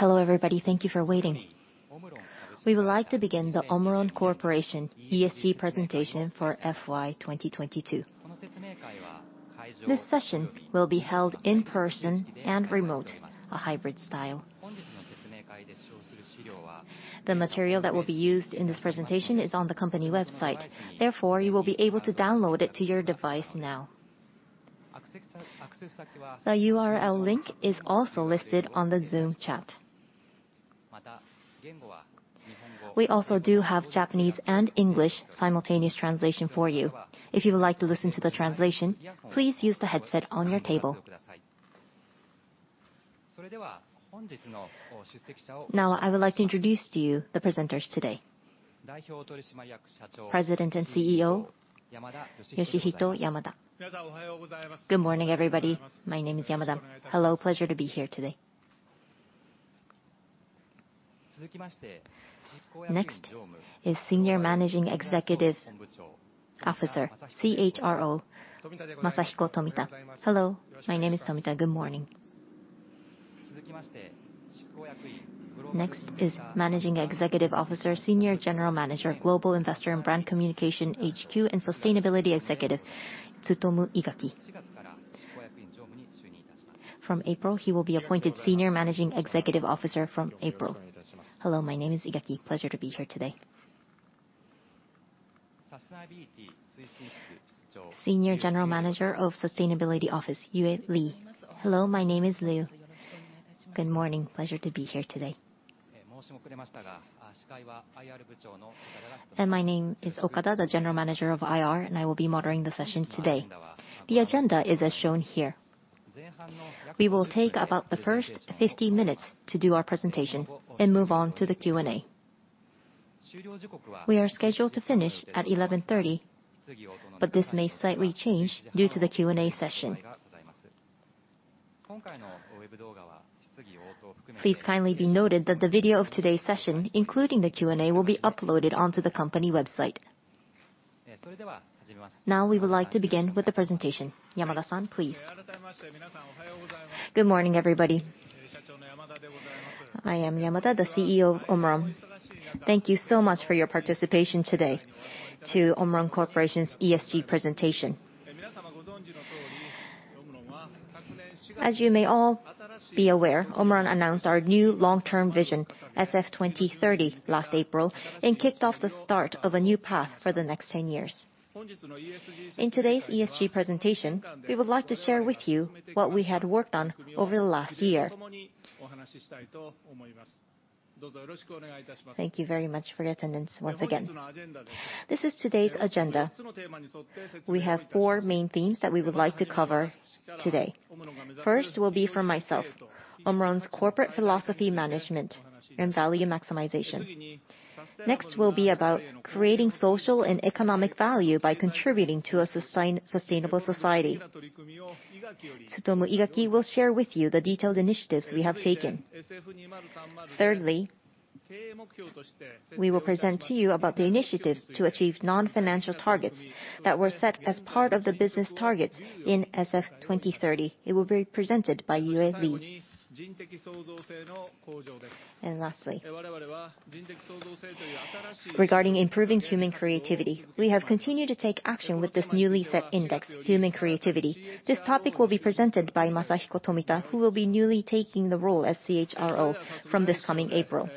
Hello, everybody. Thank you for waiting. We would like to begin the OMRON Corporation ESG presentation for FY 2022. This session will be held in person and remote, a hybrid style. The material that will be used in this presentation is on the company website, therefore, you will be able to download it to your device now. The URL link is also listed on the Zoom chat. We also do have Japanese and English simultaneous translation for you. If you would like to listen to the translation, please use the headset on your table. Now, I would like to introduce to you the presenters today. President and CEO, Yoshihito Yamada. Good morning, everybody. My name is Yamada. Hello. Pleasure to be here today. Next is Senior Managing Executive Officer, CHRO, Masahiko Tomita. Hello, my name is Tomita. Good morning. Next is Managing Executive Officer, Senior General Manager, Global Investor and Brand Communication HQ and Sustainability Executive, Tsutomu Igaki. From April, he will be appointed Senior Managing Executive Officer from April. Hello, my name is Igaki. Pleasure to be here today. Senior General Manager of Sustainability Office, Yue Liu. Hello, my name is Liu. Good morning. Pleasure to be here today. My name is Okada, the General Manager of IR, and I will be monitoring the session today. The agenda is as shown here. We will take about the first 50 minutes to do our presentation and move on to the Q&A. We are scheduled to finish at 11:30 A.M., this may slightly change due to the Q&A session. Please kindly be noted that the video of today's session, including the Q&A, will be uploaded onto the company website. We would like to begin with the presentation. Yamada-san, please. Good morning, everybody. I am Yamada, the CEO of OMRON. Thank you so much for your participation today to OMRON Corporation's ESG presentation. As you may all be aware, OMRON announced our new long-term vision, SF2030, last April, kicked off the start of a new path for the next 10 years. In today's ESG presentation, we would like to share with you what we had worked on over the last year. Thank you very much for your attendance once again. This is today's agenda. We have four main themes that we would like to cover today. First will be from myself, OMRON's corporate philosophy management and value maximization. Next will be about creating social and economic value by contributing to a sustainable society. Tsutomu Igaki will share with you the detailed initiatives we have taken. Thirdly, we will present to you about the initiatives to achieve non-financial targets that were set as part of the business targets in SF2030. It will be presented by Yue Liu. Lastly, regarding improving human creativity, we have continued to take action with this newly set index, human creativity. This topic will be presented by Masahiko Tomita, who will be newly taking the role as CHRO from this coming April.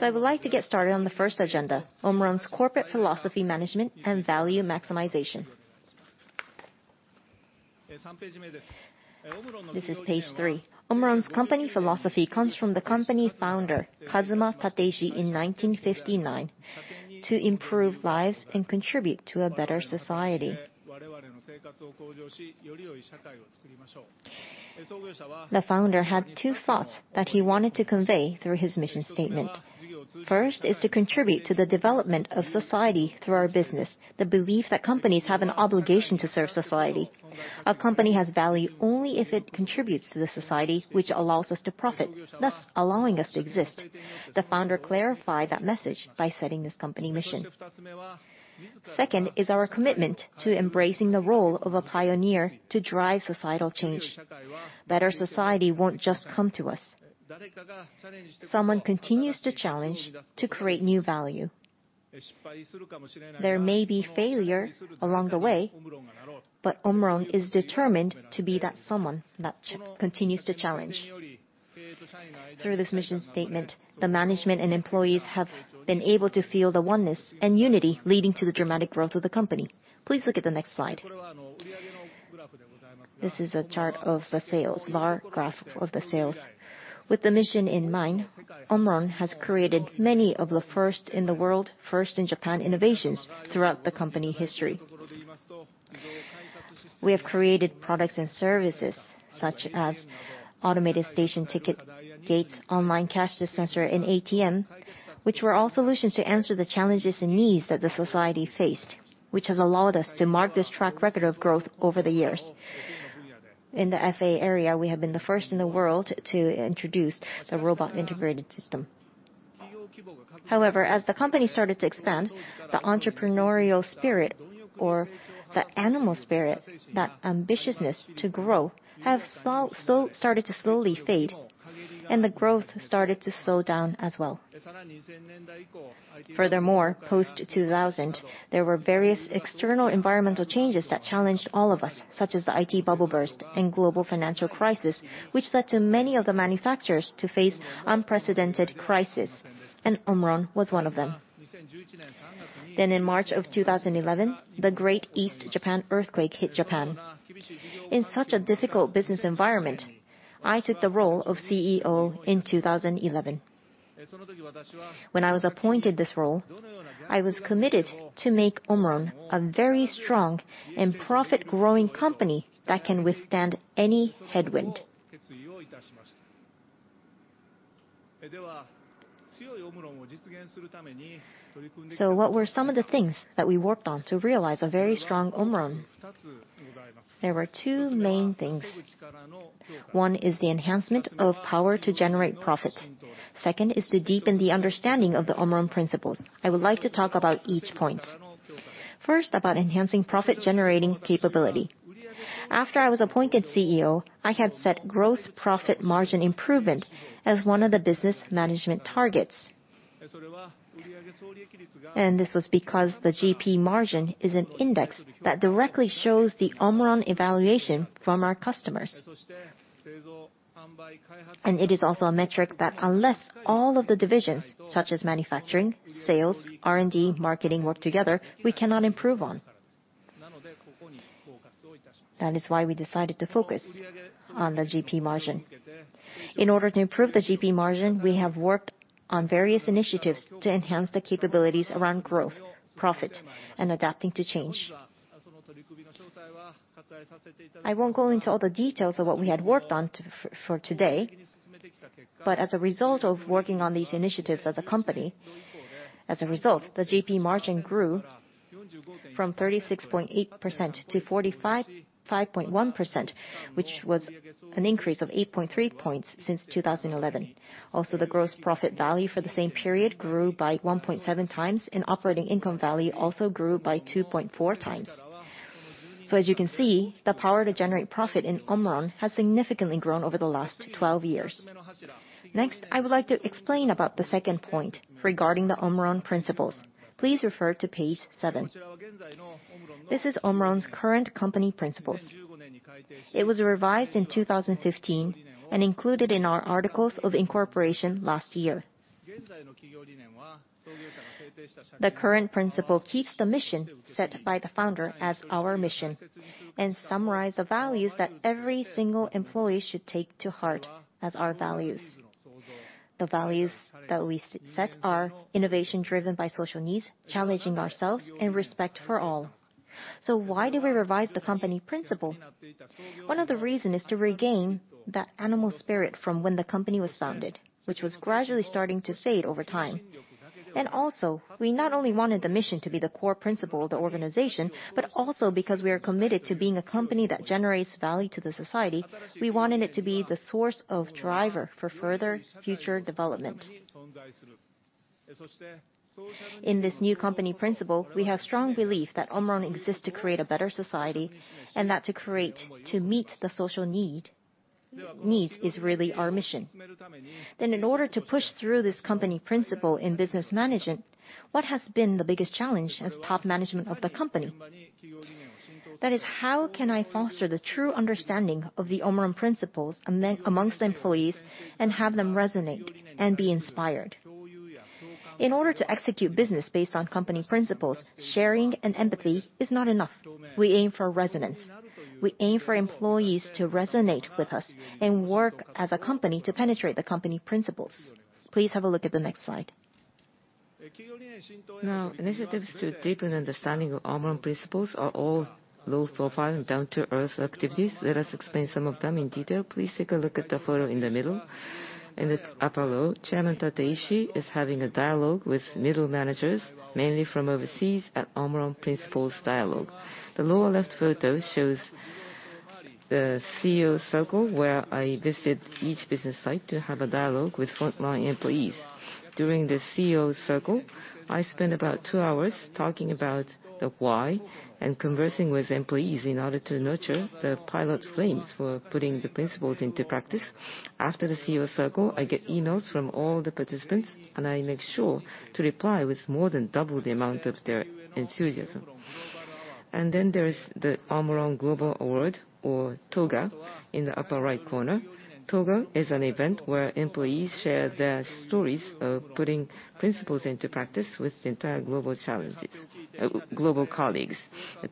I would like to get started on the first agenda, OMRON's corporate philosophy management and value maximization. This is page three. OMRON's company philosophy comes from the company founder, Kazuma Tateishi, in 1959, to improve lives and contribute to a better society. The founder had two thoughts that he wanted to convey through his mission statement. First is to contribute to the development of society through our business, the belief that companies have an obligation to serve society. A company has value only if it contributes to the society, which allows us to profit, thus allowing us to exist. The founder clarified that message by setting this company mission. Second is our commitment to embracing the role of a pioneer to drive societal change. Better society won't just come to us. Someone continues to challenge to create new value. There may be failure along the way, but OMRON is determined to be that someone that continues to challenge. Through this mission statement, the management and employees have been able to feel the oneness and unity leading to the dramatic growth of the company. Please look at the next slide. This is a bar graph of the sales. With the mission in mind, OMRON has created many of the first in the world, first in Japan innovations throughout the company history. We have created products and services such as automated station ticket gates, online cash sensor, and ATM, which were all solutions to answer the challenges and needs that the society faced, which has allowed us to mark this track record of growth over the years. In the FA area, we have been the first in the world to introduce the Robot Integrated System. As the company started to expand, the entrepreneurial spirit or the animal spirit, that ambitiousness to grow have started to slowly fade, and the growth started to slow down as well. Post-2000, there were various external environmental changes that challenged all of us, such as the IT bubble burst and global financial crisis, which led to many of the manufacturers to face unprecedented crisis, and OMRON was one of them. In March of 2011, the Great East Japan Earthquake hit Japan. In such a difficult business environment, I took the role of CEO in 2011. When I was appointed this role, I was committed to make OMRON a very strong and profit-growing company that can withstand any headwind. What were some of the things that we worked on to realie a very strong OMRON? There were two main things. One is the enhancement of power to generate profit. Second is to deepen the understanding of the OMRON principles. I would like to talk about each point. First, about enhancing profit-generating capability. After I was appointed CEO, I had set growth profit margin improvement as one of the business management targets. This was because the GP margin is an index that directly shows the OMRON evaluation from our customers. It is also a metric that unless all of the divisions, such as manufacturing, sales, R&D, marketing work together, we cannot improve on. That is why we decided to focus on the GP margin. In order to improve the GP margin, we have worked on various initiatives to enhance the capabilities around growth, profit, and adapting to change. I won't go into all the details of what we had worked on for today, as a result of working on these initiatives as a company, as a result, the GP margin grew from 36.8% to 45.1%, which was an increase of 8.3 points since 2011. The gross profit value for the same period grew by 1.7x, and operating income value also grew by 2.4x. As you can see, the power to generate profit in OMRON has significantly grown over the last 12 years. I would like to explain about the second point regarding the OMRON principles. Please refer to page seven. This is OMRON's current company principles. It was revised in 2015 and included in our articles of incorporation last year. The current principle keeps the mission set by the founder as our mission and summarize the values that every single employee should take to heart as our values. The values that we set are Innovation driven by social needs, Challenging ourselves, and Respect for all. Why do we revise the company principle? One of the reason is to regain that animal spirit from when the company was founded, which was gradually starting to fade over time. We not only wanted the mission to be the core principle of the organization, but also because we are committed to being a company that generates value to the society, we wanted it to be the source of driver for further future development. In this new company principle, we have strong belief that OMRON exists to create a better society and that to create, to meet the social needs is really our mission. In order to push through this company principle in business management, what has been the biggest challenge as top management of the company? That is, how can I foster the true understanding of the OMRON Principles amongst employees and have them resonate and be inspired? In order to execute business based on company principles, sharing and empathy is not enough. We aim for resonance. We aim for employees to resonate with us and work as a company to penetrate the company principles. Please have a look at the next slide. Initiatives to deepen understanding of OMRON Principles are all low-profile and down-to-earth activities. Let us explain some of them in detail. Please take a look at the photo in the middle. In the upper left, Chairman Tateishi is having a dialogue with middle managers, mainly from overseas, at OMRON Principles Dialogue. The lower left photo shows the CEO Circle, where I visit each business site to have a dialogue with frontline employees. During the CEO Circle, I spend about two hours talking about the why and conversing with employees in order to nurture the pilot flames for putting the principles into practice. After the CEO Circle, I get emails from all the participants, and I make sure to reply with more than double the amount of their enthusiasm. There is the OMRON Global Award, or TOGA, in the upper right corner. TOGA is an event where employees share their stories of putting principles into practice with the entire global colleagues.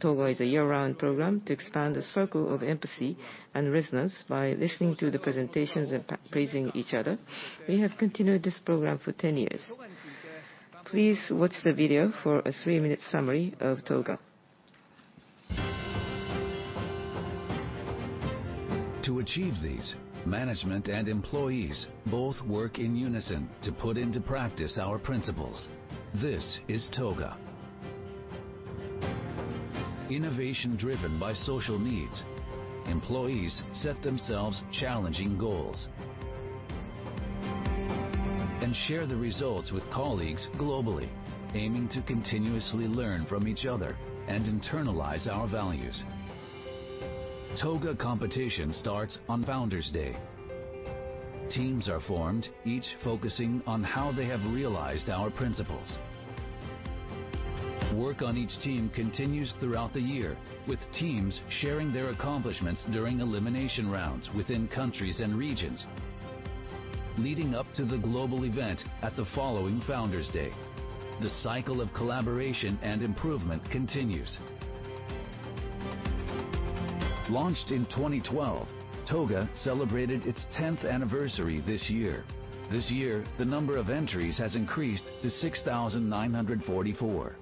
TOGA is a year-round program to expand the circle of empathy and resonance by listening to the presentations and praising each other. We have continued this program for 10 years. Please watch the video for a three-minute summary of TOGA. To achieve these, management and employees both work in unison to put into practice our principles. This is TOGA. Innovation driven by social needs. Employees set themselves challenging goals. Share the results with colleagues globally, aiming to continuously learn from each other and internalize our values. TOGA competition starts on Founder's Day. Teams are formed, each focusing on how they have realized our principles. Work on each team continues throughout the year, with teams sharing their accomplishments during elimination rounds within countries and regions, leading up to the global event at the following Founder's Day. The cycle of collaboration and improvement continues. Launched in 2012, TOGA celebrated its 10th anniversary this year. The number of entries has increased to 6,944.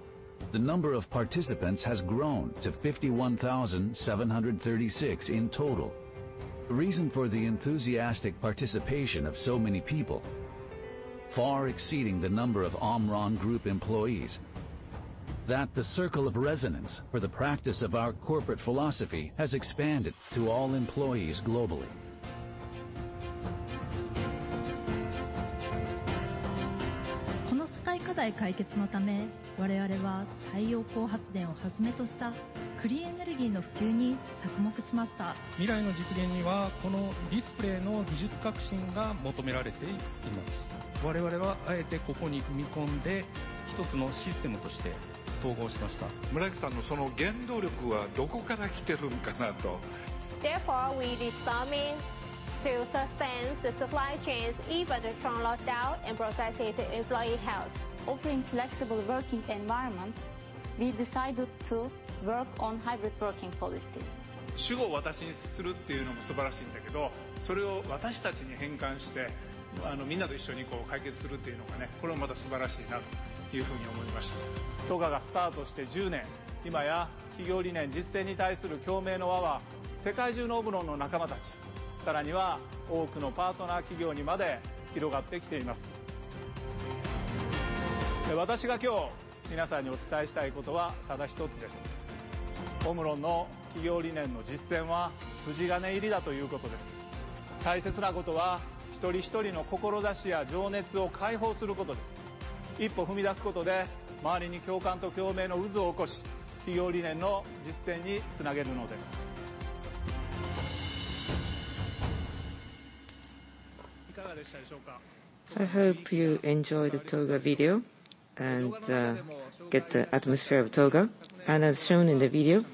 The number of participants has grown to 51,736 in total. The reason for the enthusiastic participation of so many people, far exceeding the number of OMRON Group employees, that the circle of resonance for the practice of our corporate philosophy has expanded to all employees globally. Therefore, we determined to sustain the supply chains even from lockdown and process it employee health. Offering flexible working environment, we decided to work on hybrid working policy. I hope you enjoyed the TOGA video and get the atmosphere of TOGA. As shown in the video,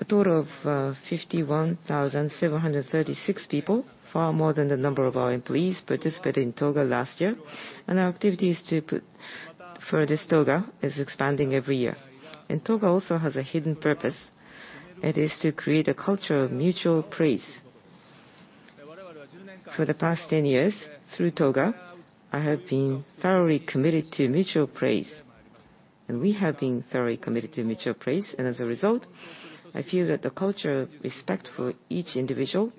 a total of 51,736 people, far more than the number of our employees, participated in TOGA last year. Our activities for this TOGA is expanding every year. TOGA also has a hidden purpose. It is to create a culture of mutual praise. For the past 10 years, through TOGA, I have been thoroughly committed to mutual praise, and we have been thoroughly committed to mutual praise. As a result, I feel that the culture of respect for each individual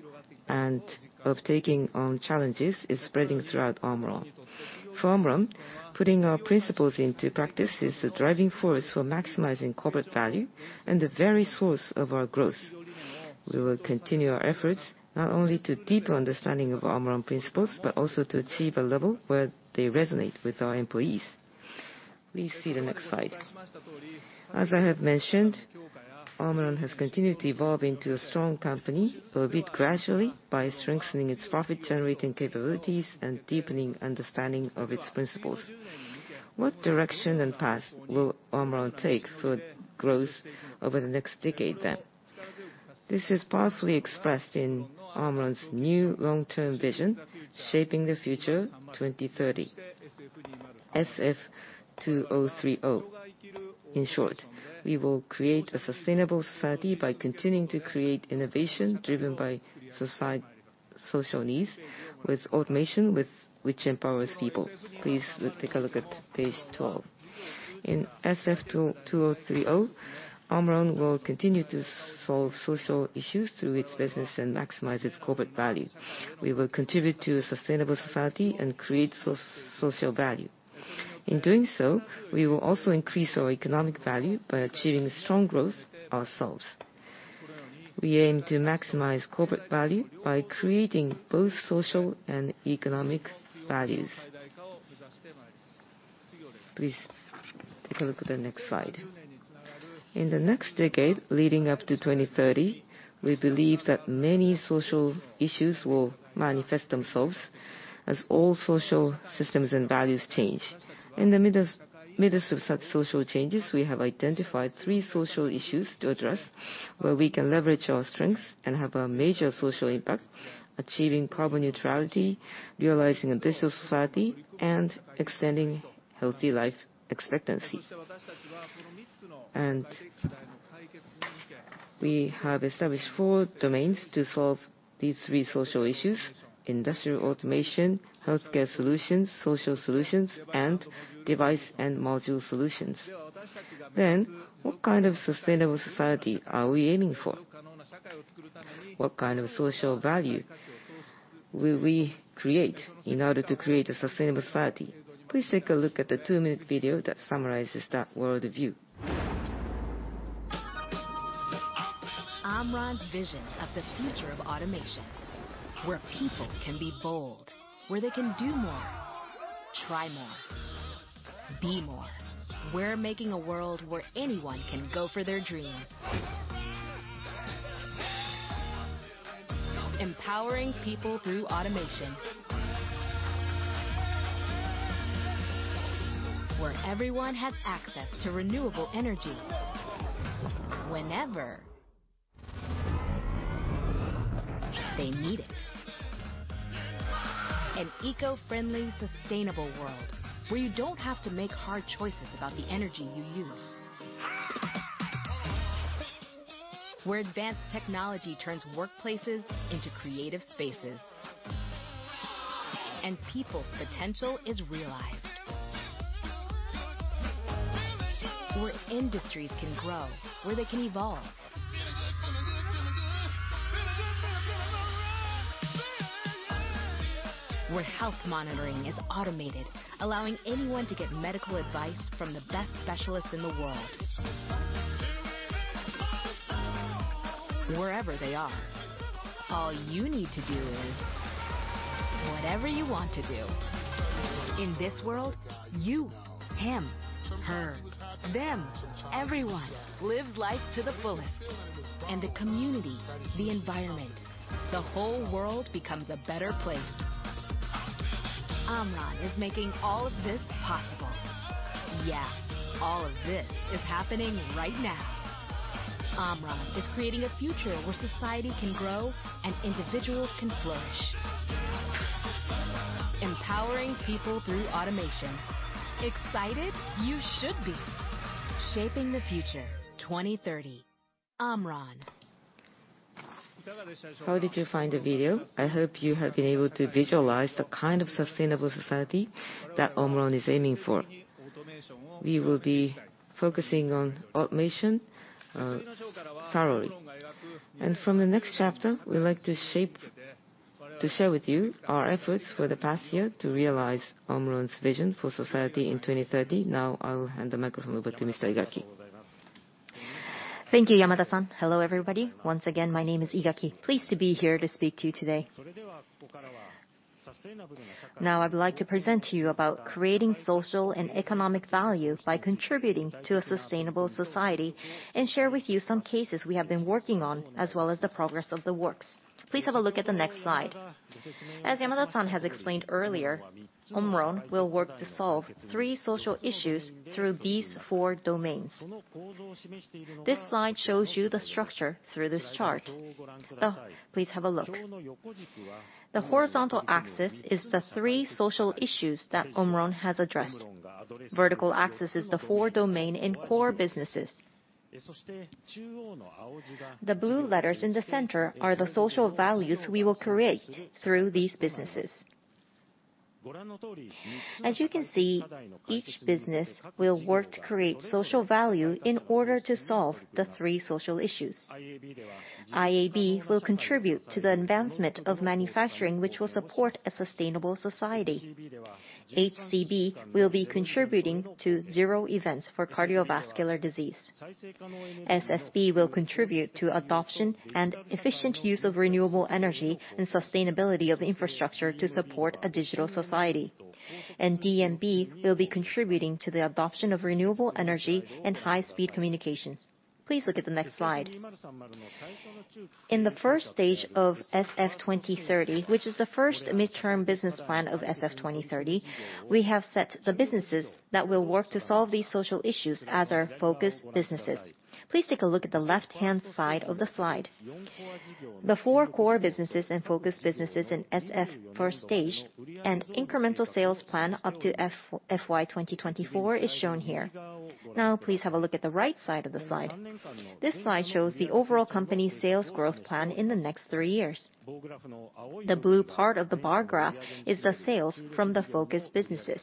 and of taking on challenges is spreading throughout OMRON. For OMRON, putting our principles into practice is the driving force for maximizing corporate value and the very source of our growth. We will continue our efforts, not only to deeper understanding of OMRON Principles, but also to achieve a level where they resonate with our employees. Please see the next slide. As I have mentioned, OMRON has continued to evolve into a strong company, albeit gradually, by strengthening its profit-generating capabilities and deepening understanding of its Principles. What direction and path will OMRON take for growth over the next decade then? This is powerfully expressed in OMRON's new long-term vision, Shaping the Future 2030. SF2030. In short, we will create a sustainable society by continuing to create innovation driven by social needs with automation which empowers people. Please take a look at page 12. In SF2030, OMRON will continue to solve social issues through its business and maximize its corporate value. We will contribute to a sustainable society and create social value. In doing so, we will also increase our economic value by achieving strong growth ourselves. We aim to maximize corporate value by creating both social and economic values. Please take a look at the next slide. In the next decade, leading up to 2030, we believe that many social issues will manifest themselves as all social systems and values change. In the midst of such social changes, we have identified three social issues to address, where we can leverage our strengths and have a major social impact: achieving carbon neutrality, realizing a digital society, and extending healthy life expectancy. We have established four domains to solve these three social issues: Industrial Automation, Healthcare Solutions, Social Solutions, and Device & Module Solutions. What kind of sustainable society are we aiming for? What kind of social value will we create in order to create a sustainable society? Please take a look at the two-minute video that summarizes that world view. OMRON's vision of the future of automation, where people can be bold, where they can do more, try more, be more. We're making a world where anyone can go for their dream. Empowering people through automation. Where everyone has access to renewable energy, whenever they need it. An eco-friendly, sustainable world, where you don't have to make hard choices about the energy you use. Where advanced technology turns workplaces into creative spaces, and people's potential is realized. Where industries can grow, where they can evolve. Where health monitoring is automated, allowing anyone to get medical advice from the best specialists in the world, wherever they are. All you need to do is whatever you want to do. In this world, you, him, her, them, everyone li ves life to the fullest. The community, the environment, the whole world becomes a better place. OMRON is making all of this possible. Yeah, all of this is happening right now. OMRON is creating a future where society can grow and individuals can flourish. Empowering people through automation. Excited? You should be. Shaping the future. 2030. OMRON. How did you find the video? I hope you have been able to visualize the kind of sustainable society that OMRON is aiming for. We will be focusing on automation, thoroughly. From the next chapter, we would like to share with you our efforts for the past year to realize OMRON's vision for society in 2030. Now, I will hand the microphone over to Mr. Igaki. Thank you, Yamada-san. Hello, everybody. Once again, my name is Igaki. Pleased to be here to speak to you today. I'd like to present to you about creating social and economic value by contributing to a sustainable society, and share with you some cases we have been working on, as well as the progress of the works. Please have a look at the next slide. As Yamada-san has explained earlier, OMRON will work to solve three social issues through these four domains. This slide shows you the structure through this chart. Please have a look. The horizontal axis is the three social issues that OMRON has addressed. Vertical axis is the four domain in core businesses. The blue letters in the center are the social values we will create through these businesses. As you can see, each business will work to create social value in order to solve the three social issues. IAB will contribute to the advancement of manufacturing, which will support a sustainable society. HCB will be contributing to zero events for cardiovascular disease. SSB will contribute to adoption and efficient use of renewable energy and sustainability of infrastructure to support a digital society. DNB will be contributing to the adoption of renewable energy and high-speed communications. Please look at the next slide. In the SF 1st Stage of SF2030, which is the first midterm business plan of SF2030, we have set the businesses that will work to solve these social issues as our focus businesses. Please take a look at the left-hand side of the slide. The four core businesses and focus businesses in SF 1st Stage and incremental sales plan up to FY 2024 is shown here. Now please have a look at the right side of the slide. This slide shows the overall company sales growth plan in the next three years. The blue part of the bar graph is the sales from the focus businesses.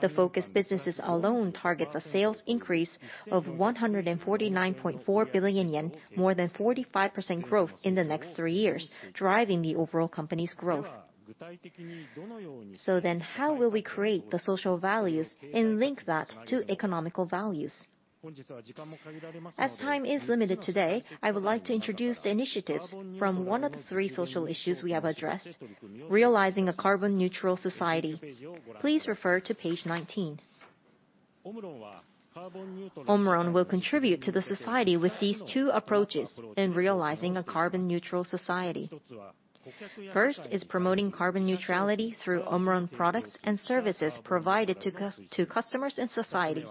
The focus businesses alone targets a sales increase of 149.4 billion yen, more than 45% growth in the next three years, driving the overall company's growth. How will we create the social values and link that to economical values? As time is limited today, I would like to introduce the initiatives from one of the three social issues we have addressed, realizing a carbon neutral society. Please refer to page 19. OMRON will contribute to the society with these two approaches in realizing a carbon neutral society. First is promoting carbon neutrality through OMRON products and services provided to customers and society.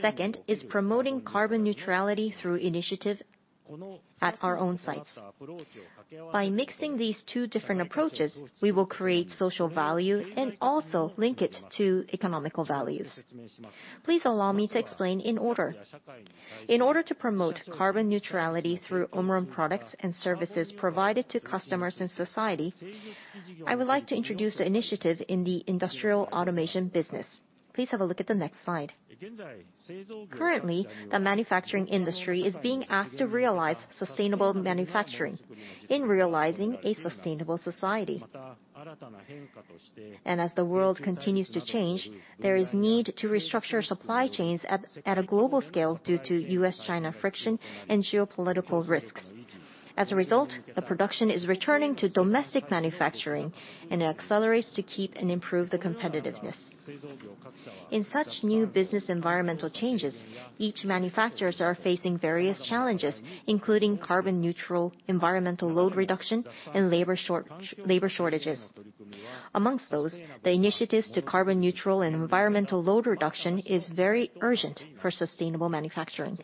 Second is promoting carbon neutrality through initiative at our own sites. By mixing these two different approaches, we will create social value and also link it to economical values. Please allow me to explain in order. In order to promote carbon neutrality through OMRON products and services provided to customers in society, I would like to introduce an initiative in the industrial automation business. Please have a look at the next slide. Currently, the manufacturing industry is being asked to realize sustainable manufacturing in realizing a sustainable society. As the world continues to change, there is need to restructure supply chains at a global scale due to U.S.-China friction and geopolitical risks. As a result, the production is returning to domestic manufacturing and it accelerates to keep and improve the competitiveness. In such new business environmental changes, each manufacturers are facing various challenges, including carbon neutral environmental load reduction and labor shortages. Amongst those, the initiatives to carbon neutral and environmental load reduction is very urgent for sustainable manufacturing.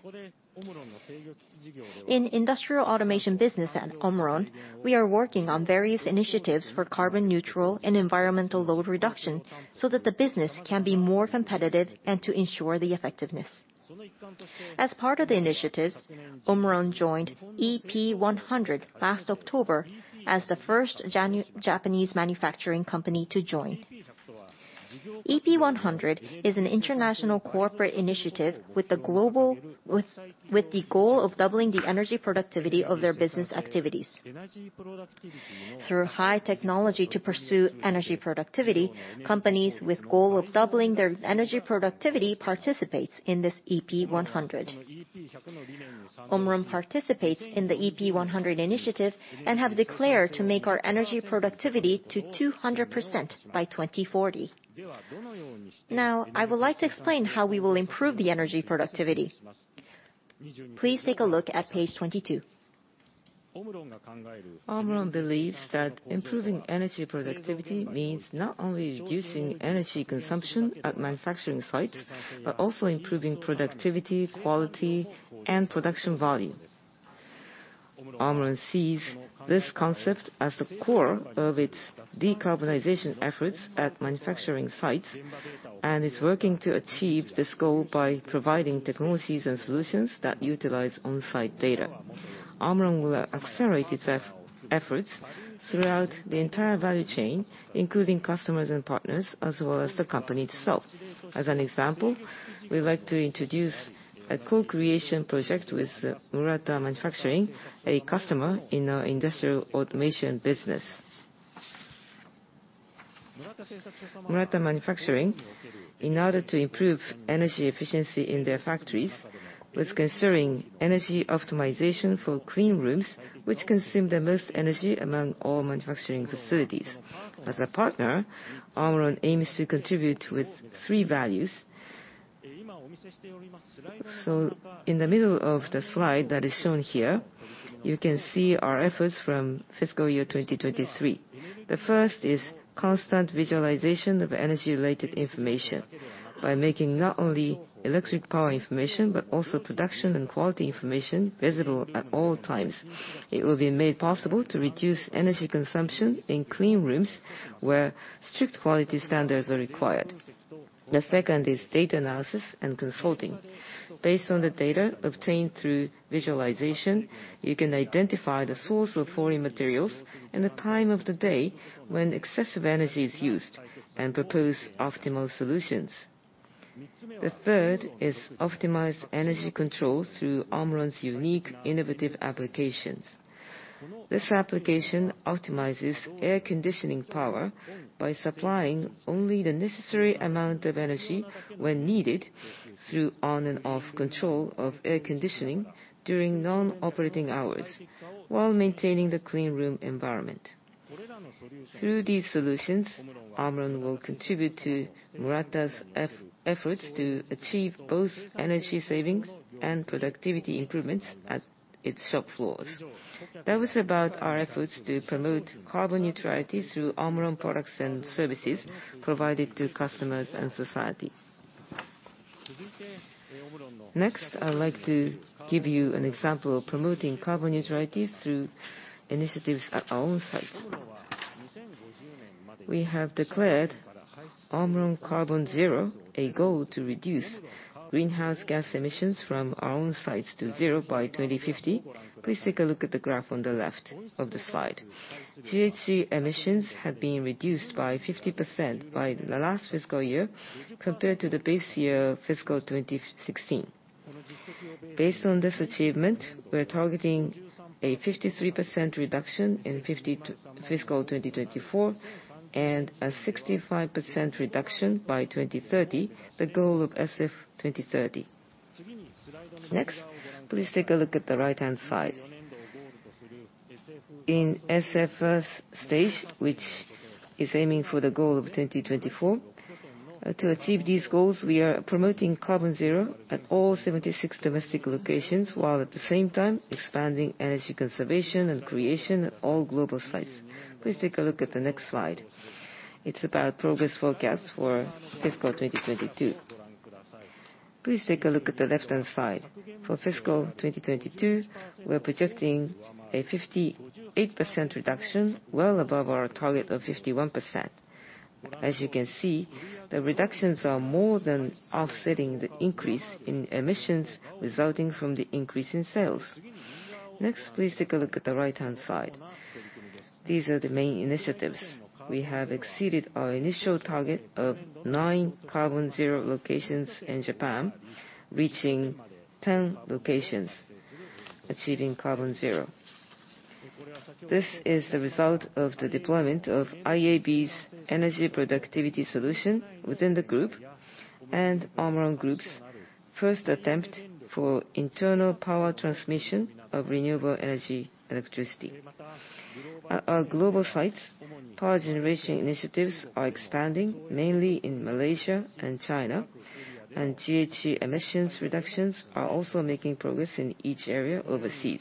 In Industrial Automation business at OMRON, we are working on various initiatives for Carbon Zero and environmental load reduction so that the business can be more competitive and to ensure the effectiveness. As part of the initiatives, OMRON joined EP100 last October as the first Japanese manufacturing company to join. EP100 is an international corporate initiative with the goal of doubling the energy productivity of their business activities. Through high technology to pursue energy productivity, companies with goal of doubling their energy productivity participates in this EP100. OMRON participates in the EP100 initiative and have declared to make our energy productivity to 200% by 2040. Now, I would like to explain how we will improve the energy productivity. Please take a look at page 22. OMRON believes that improving energy productivity means not only reducing energy consumption at manufacturing sites, but also improving productivity, quality, and production value. OMRON sees this concept as the core of its decarbonization efforts at manufacturing sites, is working to achieve this goal by providing technologies and solutions that utilize on-site data. OMRON will accelerate its efforts throughout the entire value chain, including customers and partners, as well as the company itself. As an example, we'd like to introduce a co-creation project with Murata Manufacturing, a customer in our Industrial Automation business. Murata Manufacturing, in order to improve energy efficiency in their factories, was considering energy optimization for clean rooms, which consume the most energy among all manufacturing facilities. As a partner, OMRON aims to contribute with three values. In the middle of the slide that is shown here, you can see our efforts from fiscal year 2023. The first is constant visualization of energy-related information by making not only electric power information, but also production and quality information visible at all times. It will be made possible to reduce energy consumption in clean rooms where strict quality standards are required. The second is data analysis and consulting. Based on the data obtained through visualization, you can identify the source of foreign materials and the time of the day when excessive energy is used and propose optimal solutions. The third is optimized energy control through OMRON's unique innovative applications. This application optimizes air conditioning power by supplying only the necessary amount of energy when needed through on and off control of air conditioning during non-operating hours while maintaining the clean room environment. Through these solutions, OMRON will contribute to Murata's efforts to achieve both energy savings and productivity improvements at its shop floors. That was about our efforts to promote carbon neutrality through OMRON products and services provided to customers and society. I would like to give you an example of promoting carbon neutrality through initiatives at our own sites. We have declared OMRON Carbon Zero, a goal to reduce greenhouse gas emissions from our own sites to zero by 2050. Please take a look at the graph on the left of the slide. GHG emissions have been reduced by 50% by the last fiscal year compared to the base year, fiscal 2016. Based on this achievement, we're targeting a 53% reduction in fiscal 2024, and a 65% reduction by 2030, the goal of SF2030. Next, please take a look at the right-hand side. In SF 1st Stage, which is aiming for the goal of 2024, to achieve these goals, we are promoting Carbon Zero at all 76 domestic locations, while at the same time expanding energy conservation and creation at all global sites. Please take a look at the next slide. It's about progress forecasts for fiscal 2022. Please take a look at the left-hand side. For fiscal 2022, we are projecting a 58% reduction, well above our target of 51%. As you can see, the reductions are more than offsetting the increase in emissions resulting from the increase in sales. Next, please take a look at the right-hand side. These are the main initiatives. We have exceeded our initial target of nine Carbon Zero locations in Japan, reaching 10 locations achieving Carbon Zero. This is the result of the deployment of IAB's energy productivity solution within the group and OMRON Group's first attempt for internal power transmission of renewable energy electricity. At our global sites, power generation initiatives are expanding, mainly in Malaysia and China, and GHG emissions reductions are also making progress in each area overseas.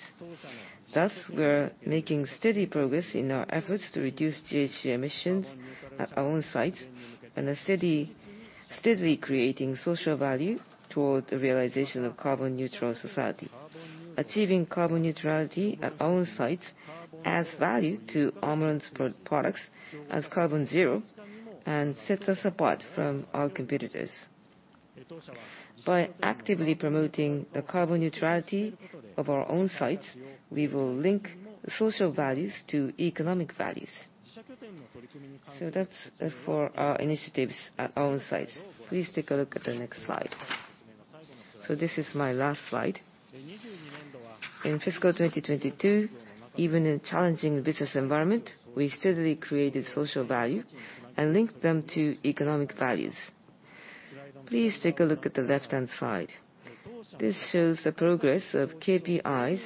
We are making steady progress in our efforts to reduce GHG emissions at our own sites and are steadily creating social value toward the realization of carbon neutral society. Achieving carbon neutrality at our own sites adds value to OMRON's pro-products as Carbon Zero and sets us apart from our competitors. By actively promoting the carbon neutrality of our own sites, we will link social values to economic values. That's it for our initiatives at our own sites. Please take a look at the next slide. This is my last slide. In fiscal 2022, even in a challenging business environment, we steadily created social value and linked them to economic values. Please take a look at the left-hand side. This shows the progress of KPIs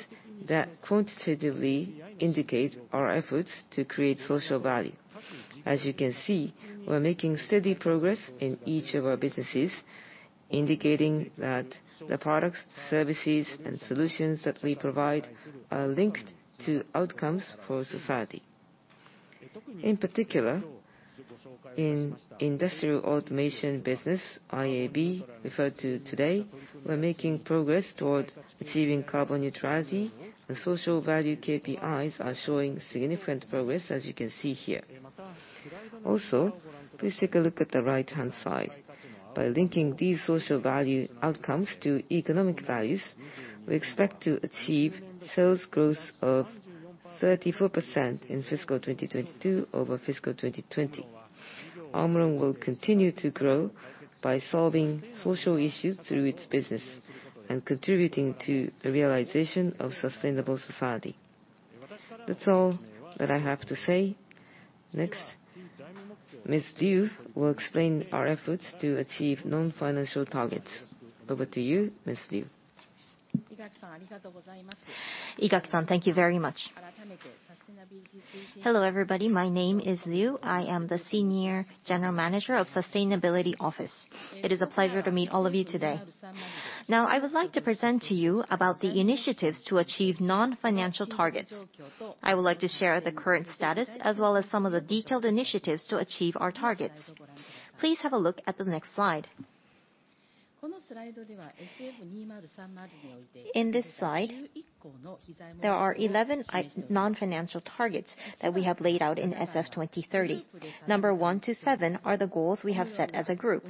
that quantitatively indicate our efforts to create social value. As you can see, we're making steady progress in each of our businesses, indicating that the products, services, and solutions that we provide are linked to outcomes for society. In particular, in Industrial Automation business, IAB, referred to today, we're making progress toward achieving carbon neutrality, and social value KPIs are showing significant progress, as you can see here. Please take a look at the right-hand side. By linking these social value outcomes to economic values, we expect to achieve sales growth of 34% in fiscal 2022 over fiscal 2020. OMRON will continue to grow by solving social issues through its business and contributing to the realization of sustainable society. That's all that I have to say. Ms. Liu will explain our efforts to achieve non-financial targets. Over to you, Ms. Liu. Igaki-san, thank you very much. Hello, everybody. My name is Liu. I am the Senior General Manager of Sustainability Office. It is a pleasure to meet all of you today. I would like to present to you about the initiatives to achieve non-financial targets. I would like to share the current status as well as some of the detailed initiatives to achieve our targets. Please have a look at the next slide. In this slide, there are 11 non-financial targets that we have laid out in SF2030. Number one to seven are the goals we have set as a group.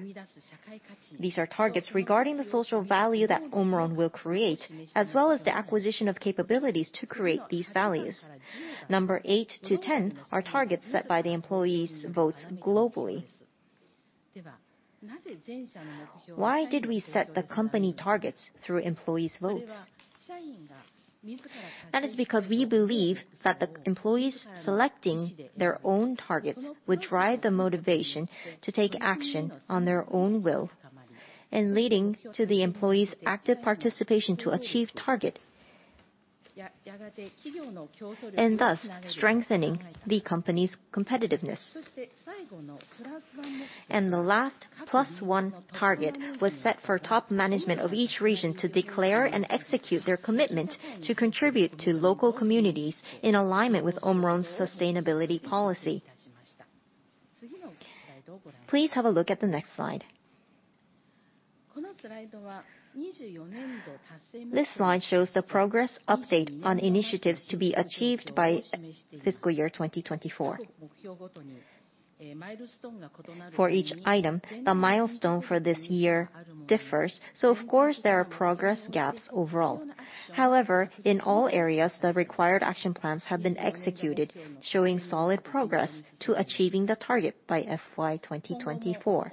These are targets regarding the social value that OMRON will create, as well as the acquisition of capabilities to create these values. Number eight to 10 are targets set by the employees' votes globally. Why did we set the company targets through employees' votes? That is because we believe that the employees selecting their own targets would drive the motivation to take action on their own will, and leading to the employees' active participation to achieve target. Thus, strengthening the company's competitiveness. The last plus one target was set for top management of each region to declare and execute their commitment to contribute to local communities in alignment with OMRON's sustainability policy. Please have a look at the next slide. This slide shows the progress update on initiatives to be achieved by fiscal year 2024. For each item, the milestone for this year differs, so of course there are progress gaps overall. However, in all areas, the required action plans have been executed, showing solid progress to achieving the target by FY 2024.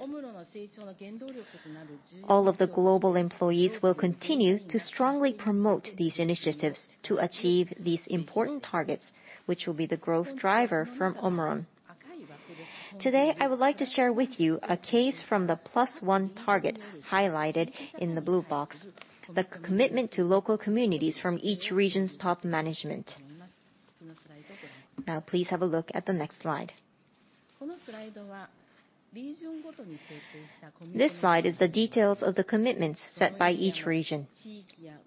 All of the global employees will continue to strongly promote these initiatives to achieve these important targets, which will be the growth driver from OMRON. Today, I would like to share with you a case from the plus one target highlighted in the blue box, the commitment to local communities from each region's top management. Please have a look at the next slide. This slide is the details of the commitments set by each region.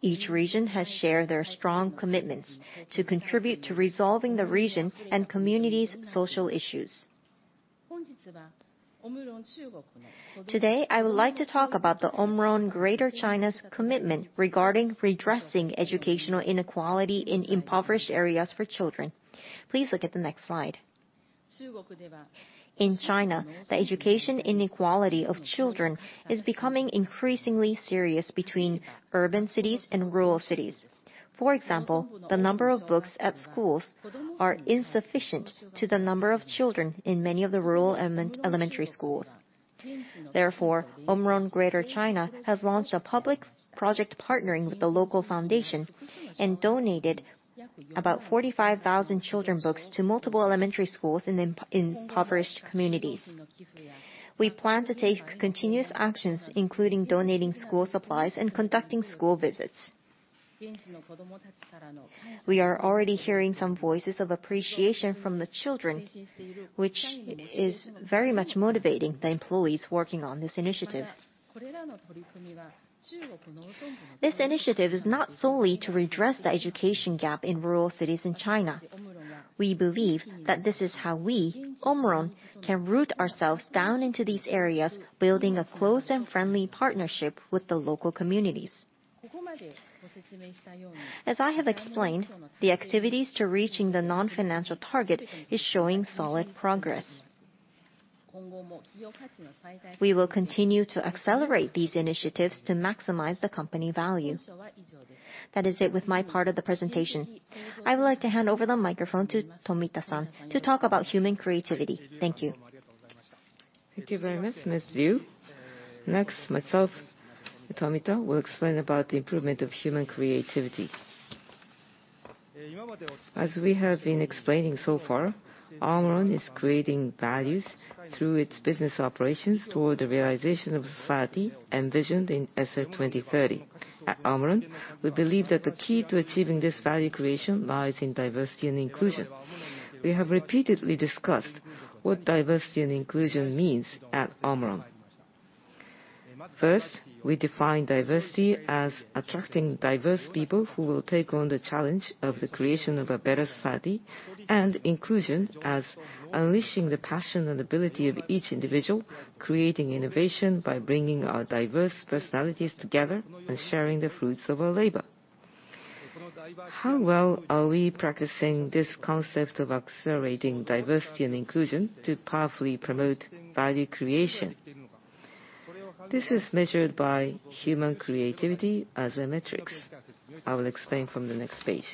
Each region has shared their strong commitments to contribute to resolving the region and community's social issues. Today, I would like to talk about the OMRON Greater China's commitment regarding redressing educational inequality in impoverished areas for children. Please look at the next slide. In China, the education inequality of children is becoming increasingly serious between urban cities and rural cities. For example, the number of books at schools are insufficient to the number of children in many of the rural elementary schools. Therefore, OMRON Greater China has launched a public project partnering with the local foundation and donated about 45,000 children books to multiple elementary schools in impoverished communities. We plan to take continuous actions, including donating school supplies and conducting school visits. We are already hearing some voices of appreciation from the children, which is very much motivating the employees working on this initiative. This initiative is not solely to redress the education gap in rural cities in China. We believe that this is how we, OMRON, can root ourselves down into these areas, building a close and friendly partnership with the local communities. As I have explained, the activities to reaching the non-financial target is showing solid progress. We will continue to accelerate these initiatives to maximize the company value. That is it with my part of the presentation. I would like to hand over the microphone to Tomita San to talk about human creativity. Thank you. Thank you very much, Ms. Liu. Next, myself, Tomita, will explain about the improvement of human creativity. As we have been explaining so far, OMRON is creating values through its business operations toward the realization of society envisioned in SF2030. At OMRON, we believe that the key to achieving this value creation lies in diversity and inclusion. We have repeatedly discussed what diversity and inclusion means at OMRON. First, we define diversity as attracting diverse people who will take on the challenge of the creation of a better society, and inclusion as unleashing the passion and ability of each individual, creating innovation by bringing our diverse personalities together and sharing the fruits of our labor. How well are we practicing this concept of accelerating diversity and inclusion to powerfully promote value creation? This is measured by human creativity as a metric. I will explain from the next page.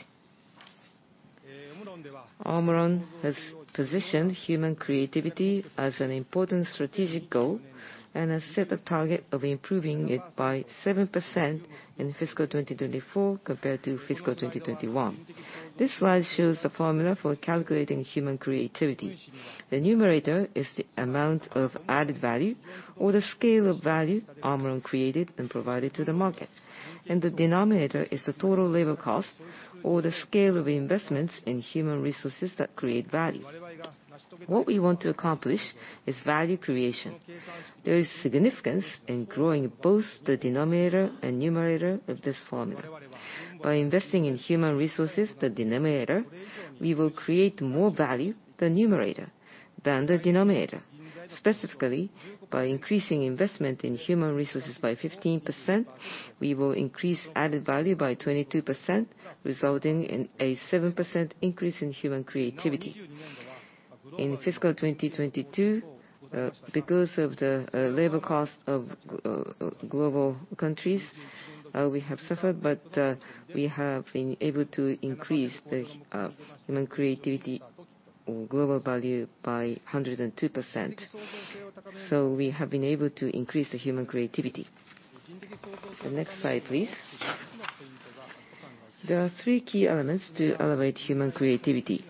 OMRON has positioned human creativity as an important strategic goal and has set a target of improving it by 7% in fiscal 2024 compared to fiscal 2021. This slide shows the formula for calculating human creativity. The numerator is the amount of added value or the scale of value OMRON created and provided to the market, and the denominator is the total labor cost or the scale of investments in human resources that create value. What we want to accomplish is value creation. There is significance in growing both the denominator and numerator of this formula. By investing in human resources, the denominator, we will create more value, the numerator, than the denominator. Specifically, by increasing investment in human resources by 15%, we will increase added value by 22%, resulting in a 7% increase in human creativity. In fiscal 2022, because of the labor cost of global countries, we have suffered, but we have been able to increase the human creativity global value by 102%, so we have been able to increase the human creativity. The next slide, please. There are three key elements to elevate human creativity.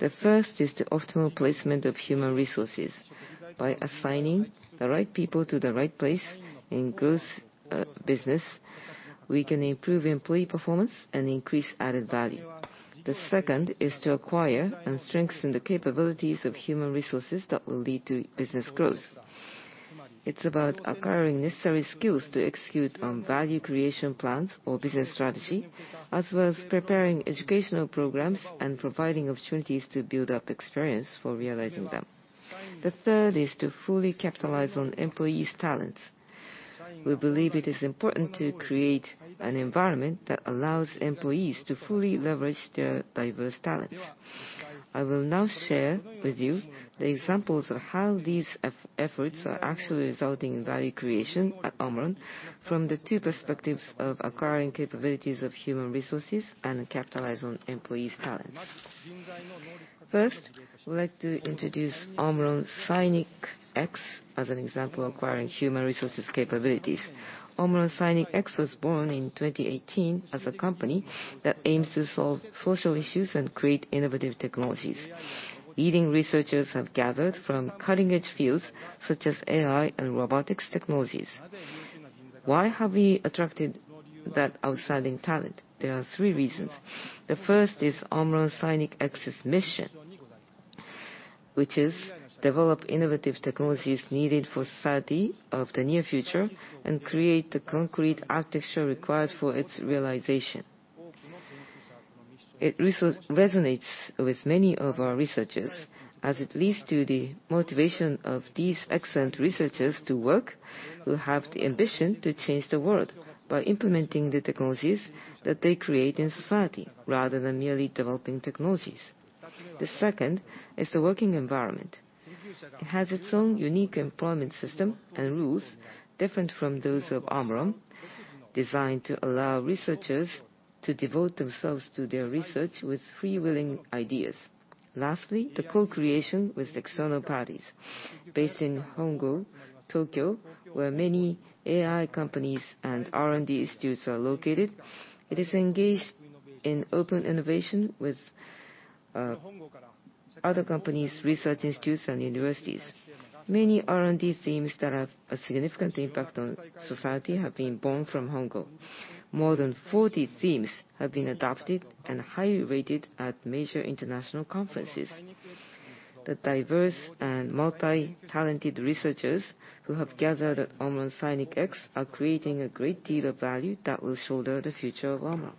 The first is the optimal placement of human resources. By assigning the right people to the right place in growth business, we can improve employee performance and increase added value. The second is to acquire and strengthen the capabilities of human resources that will lead to business growth. It's about acquiring necessary skills to execute on value creation plans or business strategy, as well as preparing educational programs and providing opportunities to build up experience for realizing them. The third is to fully capitalize on employees' talents. We believe it is important to create an environment that allows employees to fully leverage their diverse talents. I will now share with you the examples of how these efforts are actually resulting in value creation at OMRON from the two perspectives of acquiring capabilities of human resources and capitalize on employees' talents. I would like to introduce OMRON SINIC X as an example acquiring human resources capabilities. OMRON SINIC X was born in 2018 as a company that aims to solve social issues and create innovative technologies. Leading researchers have gathered from cutting-edge fields such as AI and robotics technologies. Why have we attracted that outstanding talent? There are three reasons. The first is OMRON SINIC X's mission, which is develop innovative technologies needed for society of the near future and create the concrete architecture required for its realization. It resonates with many of our researchers, as it leads to the motivation of these excellent researchers to work, who have the ambition to change the world by implementing the technologies that they create in society rather than merely developing technologies. The second is the working environment. It has its own unique employment system and rules different from those of OMRON, designed to allow researchers to devote themselves to their research with free-wheeling ideas. Lastly, the co-creation with external parties. Based in Hongo, Tokyo, where many AI companies and R&D institutes are located, it is engaged in open innovation with other companies, research institutes, and universities. Many R&D themes that have a significant impact on society have been born from Hongo. More than 40 themes have been adopted and highly rated at major international conferences. The diverse and multi-talented researchers who have gathered at OMRON SINIC X are creating a great deal of value that will shoulder the future of OMRON.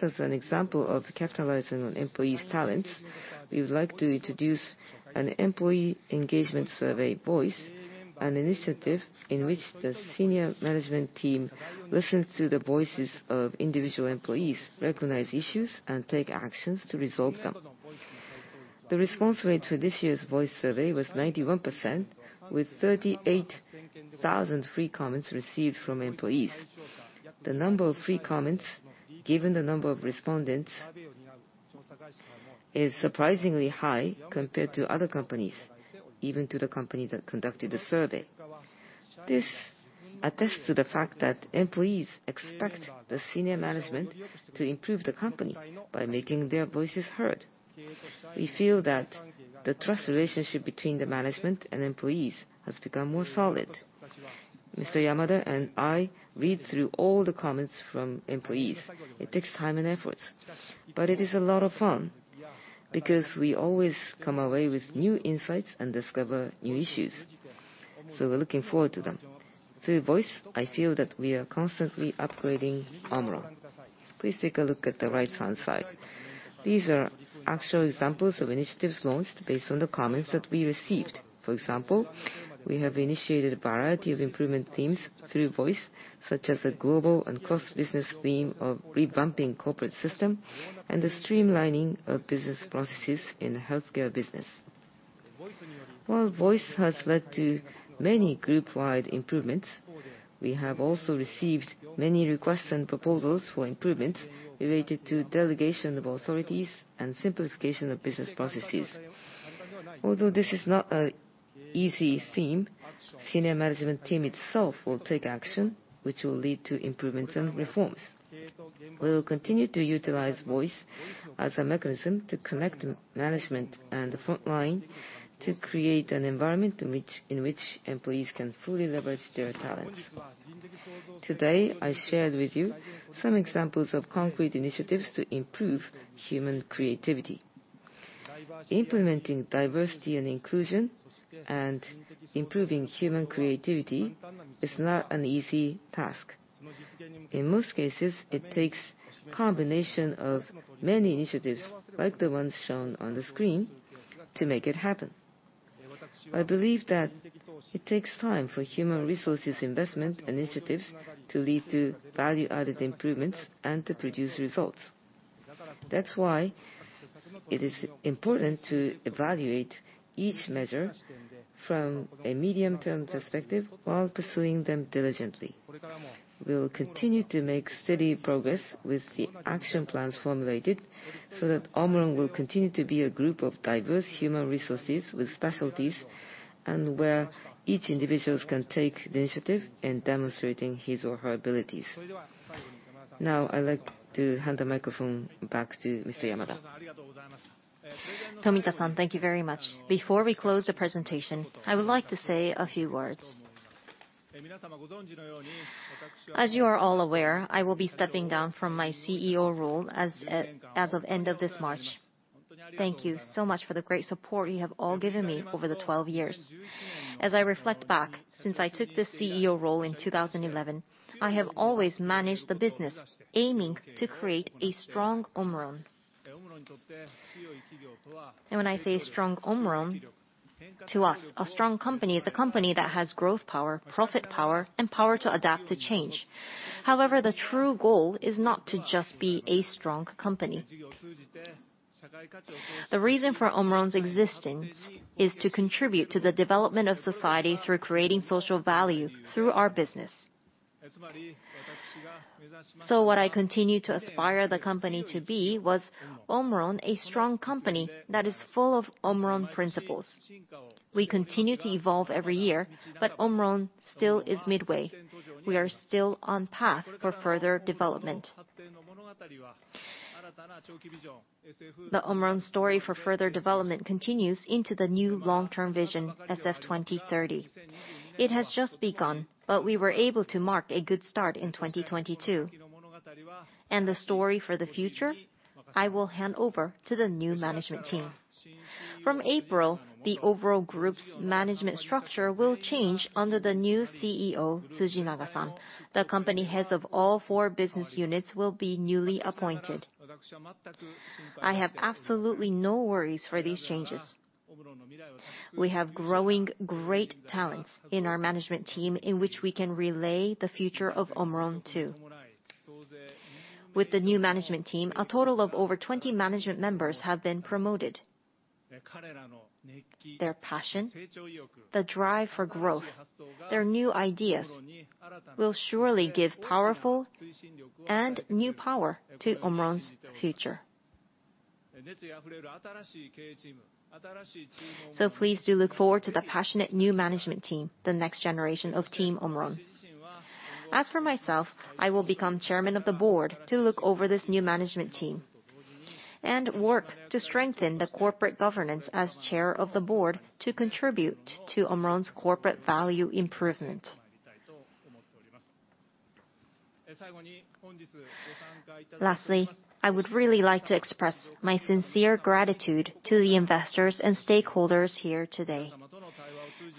As an example of capitalizing on employees' talents, we would like to introduce an employee engagement survey, VOICE, an initiative in which the senior management team listens to the voices of individual employees, recognize issues, and take actions to resolve them. The response rate to this year's VOICE survey was 91%, with 38,000 free comments received from employees. The number of free comments, give n the number of respondents, is surprisingly high compared to other companies, even to the company that conducted the survey. This attests to the fact that employees expect the senior management to improve the company by making their voices heard. We feel that the trust relationship between the management and employees has become more solid. Yamada and I read through all the comments from employees. It takes time and effort, but it is a lot of fun because we always come away with new insights and discover new issues, so we're looking forward to them. Through VOICE, I feel that we are constantly upgrading OMRON. Please take a look at the right-hand side. These are actual examples of initiatives launched based on the comments that we received. For example, we have initiated a variety of improvement themes through VOICE, such as a global and cross-business theme of revamping corporate system and the streamlining of business processes in the healthcare business. While VOICE has led to many group-wide improvements, we have also received many requests and proposals for improvements related to delegation of authorities and simplification of business processes. Although this is not an easy theme, senior management team itself will take action, which will lead to improvements and reforms. We will continue to utilize VOICE as a mechanism to connect management and the front line to create an environment in which employees can fully leverage their talents. Today, I shared with you some examples of concrete initiatives to improve human creativity. Implementing diversity and inclusion and improving human creativity is not an easy task. In most cases, it takes combination of many initiatives, like the ones shown on the screen, to make it happen. I believe that it takes time for human resources investment initiatives to lead to value-added improvements and to produce results. That's why it is important to evaluate each measure from a medium-term perspective while pursuing them diligently. We will continue to make steady progress with the action plans formulated so that OMRON will continue to be a group of diverse human resources with specialties and where each individuals can take the initiative in demonstrating his or her abilities. Now, I'd like to hand the microphone back to Mr. Yamada. Tomita-san, thank you very much. Before we close the presentation, I would like to say a few words. As you are all aware, I will be stepping down from my CEO role as of end of this March. Thank you so much for the great support you have all given me over the 12 years. As I reflect back, since I took the CEO role in 2011, I have always managed the business aiming to create a strong OMRON. When I say strong OMRON, to us, a strong company is a company that has growth power, profit power, and power to adapt to change. However, the true goal is not to just be a strong company. The reason for OMRON's existence is to contribute to the development of society through creating social value through our business. What I continue to aspire the company to be was OMRON, a strong company that is full of OMRON Principles. We continue to evolve every year, OMRON still is midway. We are still on path for further development. The OMRON story for further development continues into the new long-term vision, SF2030. It has just begun, we were able to mark a good start in 2022. The story for the future, I will hand over to the new management team. From April, the overall group's management structure will change under the new CEO, Tsujinaga-san. The company heads of all four business units will be newly appointed. I have absolutely no worries for these changes. We have growing great talents in our management team in which we can relay the future of OMRON to. With the new management team, a total of over 20 management members have been promoted. Their passion, the drive for growth, their new ideas will surely give powerful and new power to OMRON's future. Please do look forward to the passionate new management team, the next generation of team OMRON. As for myself, I will become chairman of the board to look over this new management team and work to strengthen the corporate governance as chair of the board to contribute to OMRON's corporate value improvement. Lastly, I would really like to express my sincere gratitude to the investors and stakeholders here today.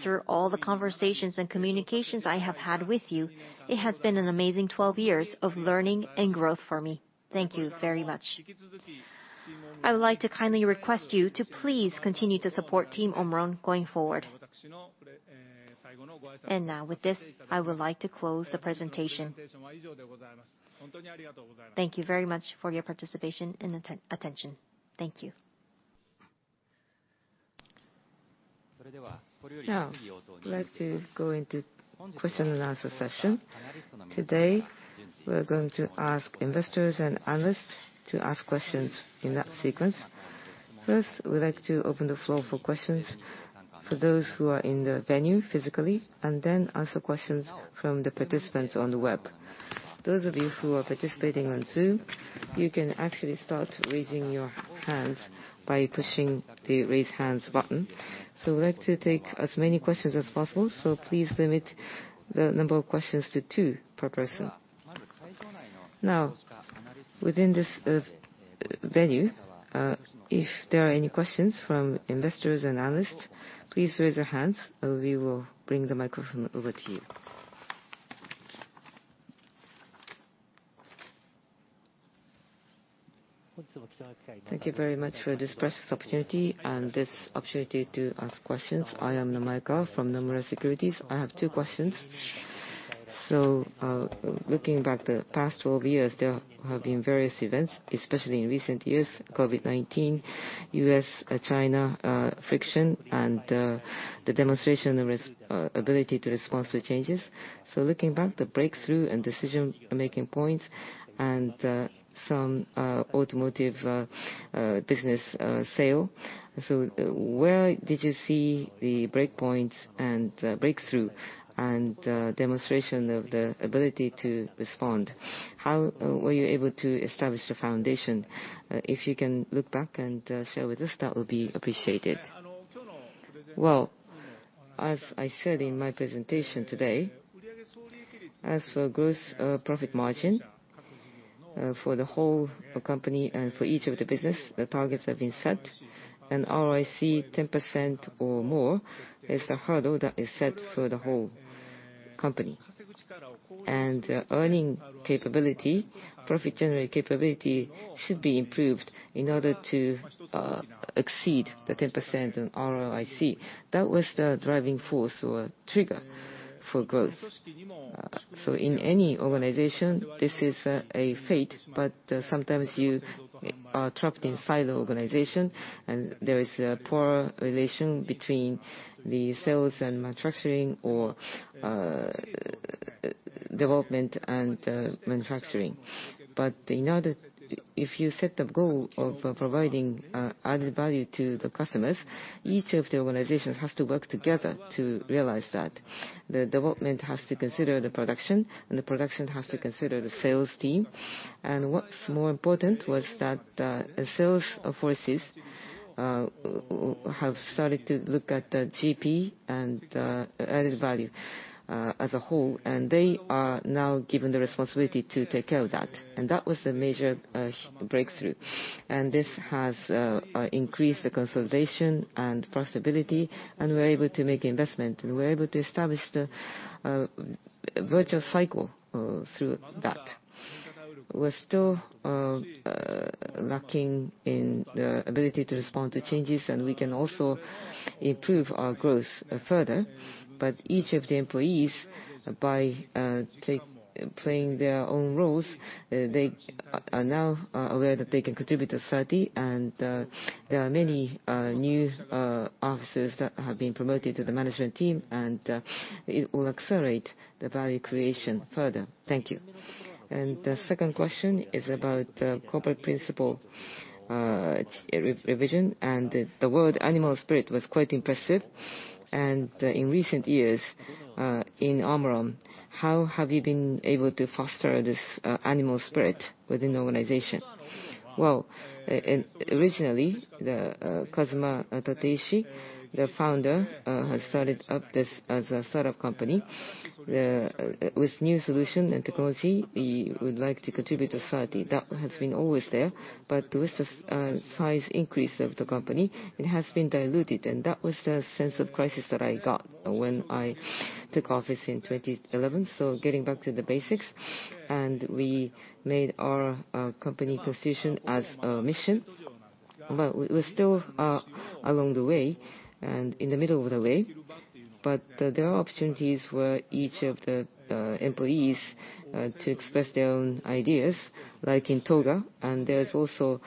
Through all the conversations and communications I have had with you, it has been an amazing 12 years of learning and growth for me. Thank you very much. I would like to kindly request you to please continue to support team OMRON going forward. Now with this, I would like to close the presentation. Thank you very much for your participation and attention. Thank you. Let's go into question and answer session. Today, we are going to ask investors and analysts to ask questions in that sequence. First, we'd like to open the floor for questions for those who are in the venue physically, and then answer questions from the participants on the web. Those of you who are participating on Zoom, you can actually start raising your hands by pushing the Raise Hands button. We'd like to take as many questions as possible, so please limit the number of questions to two per person. Within this venue, if there are any questions from investors and analysts, please raise your hands and we will bring the microphone over to you. Thank you very much for this precious opportunity and this opportunity to ask questions. I am Anamaika from Nomura Securities. I have two questions. Looking back the past 12 years, there have been various events, especially in recent years, COVID-19, US-China friction, and the demonstration ability to respond to changes. Looking back, the breakthrough and decision-making points and some automotive business sale. Where did you see the breakpoints and breakthrough and demonstration of the ability to respond? How were you able to establish the foundation? If you can look back and share with us, that would be appreciated. Well, as I said in my presentation today, as for gross profit margin, for the whole company and for each of the business, the targets have been set. ROIC 10% or more is the hurdle that is set for the whole company. The earning capability, profit generating capability should be improved in order to exceed the 10% in ROIC. That was the driving force or trigger for growth. In any organization, this is a fate, sometimes you are trapped inside the organization and there is a poor relation between the sales and manufacturing or development and manufacturing. If you set the goal of providing added value to the customers, each of the organizations has to work together to realize that. The development has to consider the production, and the production has to consider the sales team. What's more important was that the sales forces have started to look at the GP and added value as a whole, and they are now given the responsibility to take care of that. That was a major breakthrough. This has increased the consolidation and profitability, and we're able to make investment, and we're able to establish the virtual cycle through that. We're still lacking in the ability to respond to changes, and we can also improve our growth further. Each of the employees, by playing their own roles, they are now aware that they can contribute to society. There are many new officers that have been promoted to the management team, and it will accelerate the value creation further. Thank you. The second question is about corporate principle revision, and the word animal spirit was quite impressive. In recent years, in OMRON, how have you been able to foster this animal spirit within the organization? Well, originally, Kazuma Tateishi, the founder, has started up this as a startup company. With new solution and technology, we would like to contribute to society. That has been always there. With the size increase of the company, it has been diluted. That was the sense of crisis that I got when I took office in 2011. Getting back to the basics, we made our company constitution as a mission. Well, we're still along the way and in the middle of the way. There are opportunities where each of the employees to express their own ideas, like in TOGA, and there's also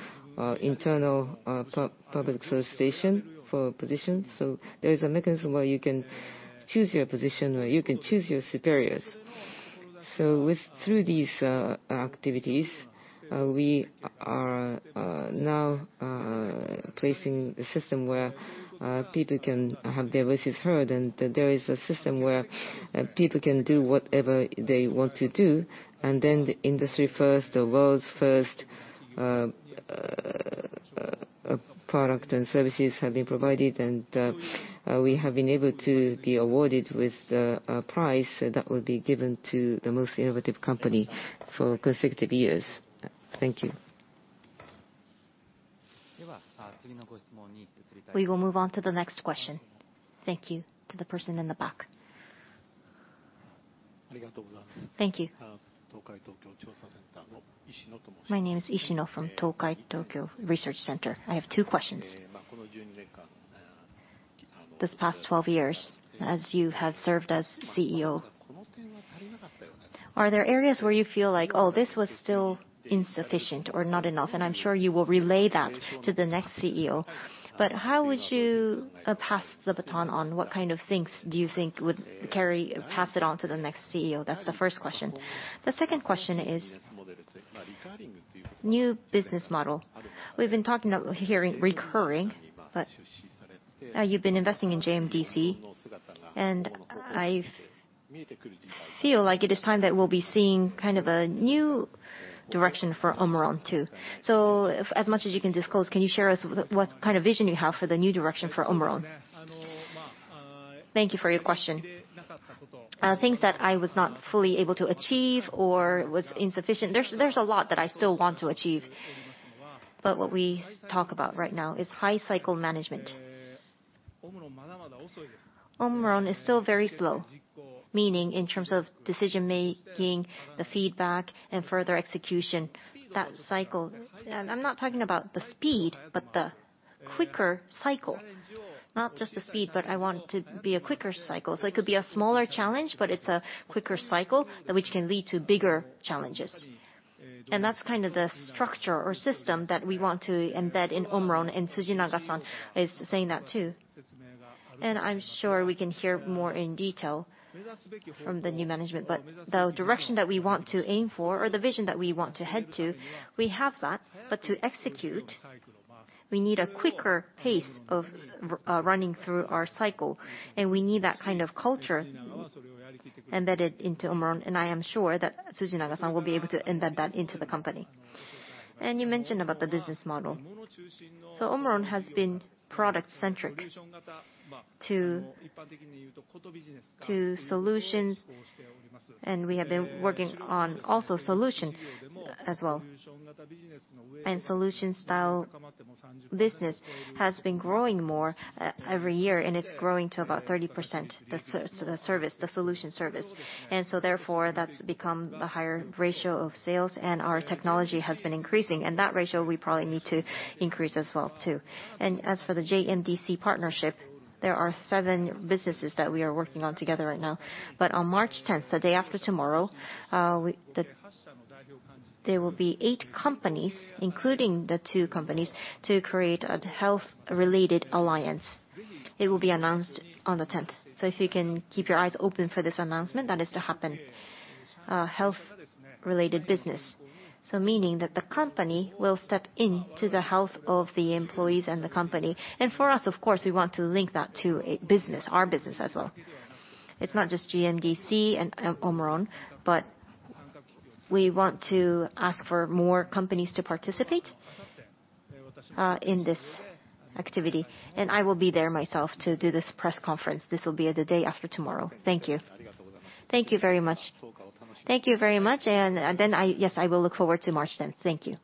internal public solicitation for positions. There is a mechanism where you can choose your position, where you can choose your superiors. Through these activities, we are now placing a system where people can have their voices heard, and that there is a system where people can do whatever they want to do. The industry first, the world's first, product and services have been provided, and we have been able to be awarded with a prize that will be given to the most innovative company for consecutive years. Thank you. We will move on to the next question. Thank you. To the person in the back. Thank you. My name is Ishino from Tokai Tokyo Research Center. I have two questions. This past 12 years, as you have served as CEO, are there areas where you feel like, "Oh, this was still insufficient or not enough"? I'm sure you will relay that to the next CEO, but how would you pass the baton on? What kind of things do you think would pass it on to the next CEO? That's the first question. The second question is new business model. We've been hearing recurring, but you've been investing in JMDC, and I feel like it is time that we'll be seeing kind of a new direction for OMRON too. As much as you can disclose, can you share us what kind of vision you have for the new direction for OMRON? Thank you for your question. Things that I was not fully able to achieve or was insufficient, there's a lot that I still want to achieve. What we talk about right now is high cycle management. OMRON is still very slow, meaning in terms of decision-making, the feedback and further execution, that cycle. I'm not talking about the speed, but the quicker cycle. Not just the speed, but I want it to be a quicker cycle. It could be a smaller challenge, but it's a quicker cycle that which can lead to bigger challenges. That's kind of the structure or system that we want to embed in OMRON, and Tsujinaga-san is saying that too. I'm sure we can hear more in detail from the new management. The direction that we want to aim for or the vision that we want to head to, we have that. To execute, we need a quicker pace of running through our cycle, and we need that kind of culture embedded into OMRON, and I am sure that Tsujinaga-san will be able to embed that into the company. You mentioned about the business model. OMRON has been product-centric to solutions, and we have been working on also solutions as well. Solution style business has been growing more every year, and it's growing to about 30%, the service, the solution service. Therefore, that's become the higher ratio of sales, and our technology has been increasing. That ratio we probably need to increase as well, too. As for the JMDC partnership, there are seven businesses that we are working on together right now. On March 10th, the day after tomorrow, there will be eight companies, including the two companies, to create a health-related alliance. It will be announced on the 10th. If you can keep your eyes open for this announcement that is to happen. Health-related business, meaning that the company will step into the health of the employees and the company. For us, of course, we want to link that to a business, our business as well. It's not just JMDC and OMRON, but we want to ask for more companies to participate in this activity. I will be there myself to do this press conference. This will be at the day after tomorrow. Thank you. Thank you very much. Thank you very much. Yes, I will look forward to March 10th. Thank you.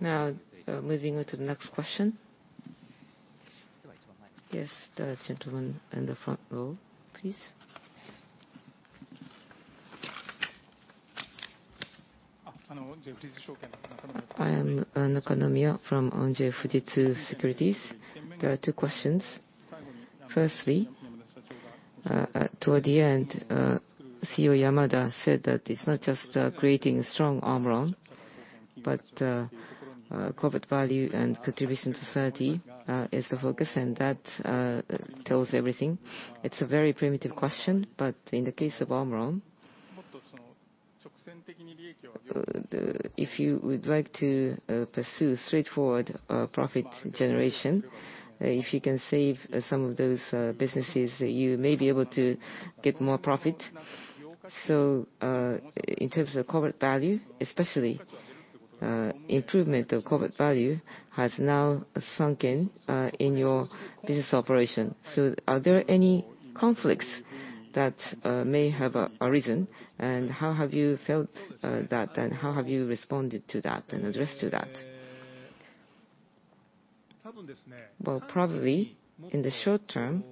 Now moving on to the next question. Yes, the gentleman in the front row, please. I am Nakajima from Mizuho Securities. There are two questions. Firstly, toward the end, CEO Yamada said that it's not just creating a strong OMRON, but corporate value and contribution to society is the focus, and that tells everything. It's a very primitive question, but in the case of OMRON, if you would like to pursue straightforward profit generation, if you can save some of those businesses, you may be able to get more profit. In terms of corporate value, especially, improvement of corporate value has now sunken in your business operation. Are there any conflicts that may have arisen, and how have you felt that, and how have you responded to that and addressed to that? Well, probably in the short term,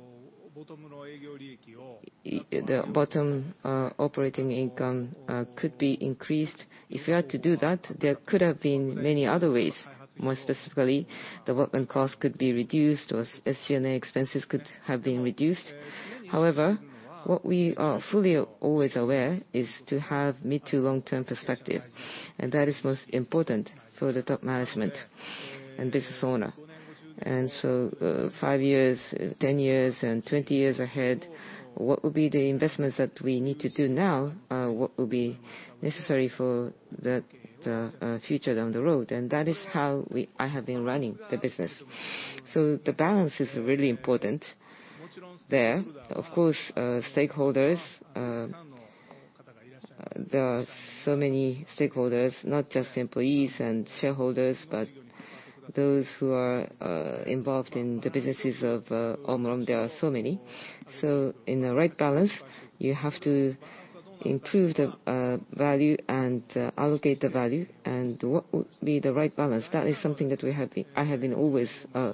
the bottom operating income could be increased. If you had to do that, there could have been many other ways. More specifically, development costs could be reduced or SG&A expenses could have been reduced. However, what we are fully always aware is to have mid- to long-term perspective, and that is most important for the top management and business owner. Five years, 10 years and 20 years ahead, what will be the investments that we need to do now, what will be necessary for the future down the road? That is how I have been running the business. The balance is really important there. Of course, stakeholders, there are so many stakeholders, not just employees and shareholders, but those who are involved in the businesses of OMRON, there are so many. In the right balance, you have to improve the value and allocate the value and what would be the right balance. That is something that I have been always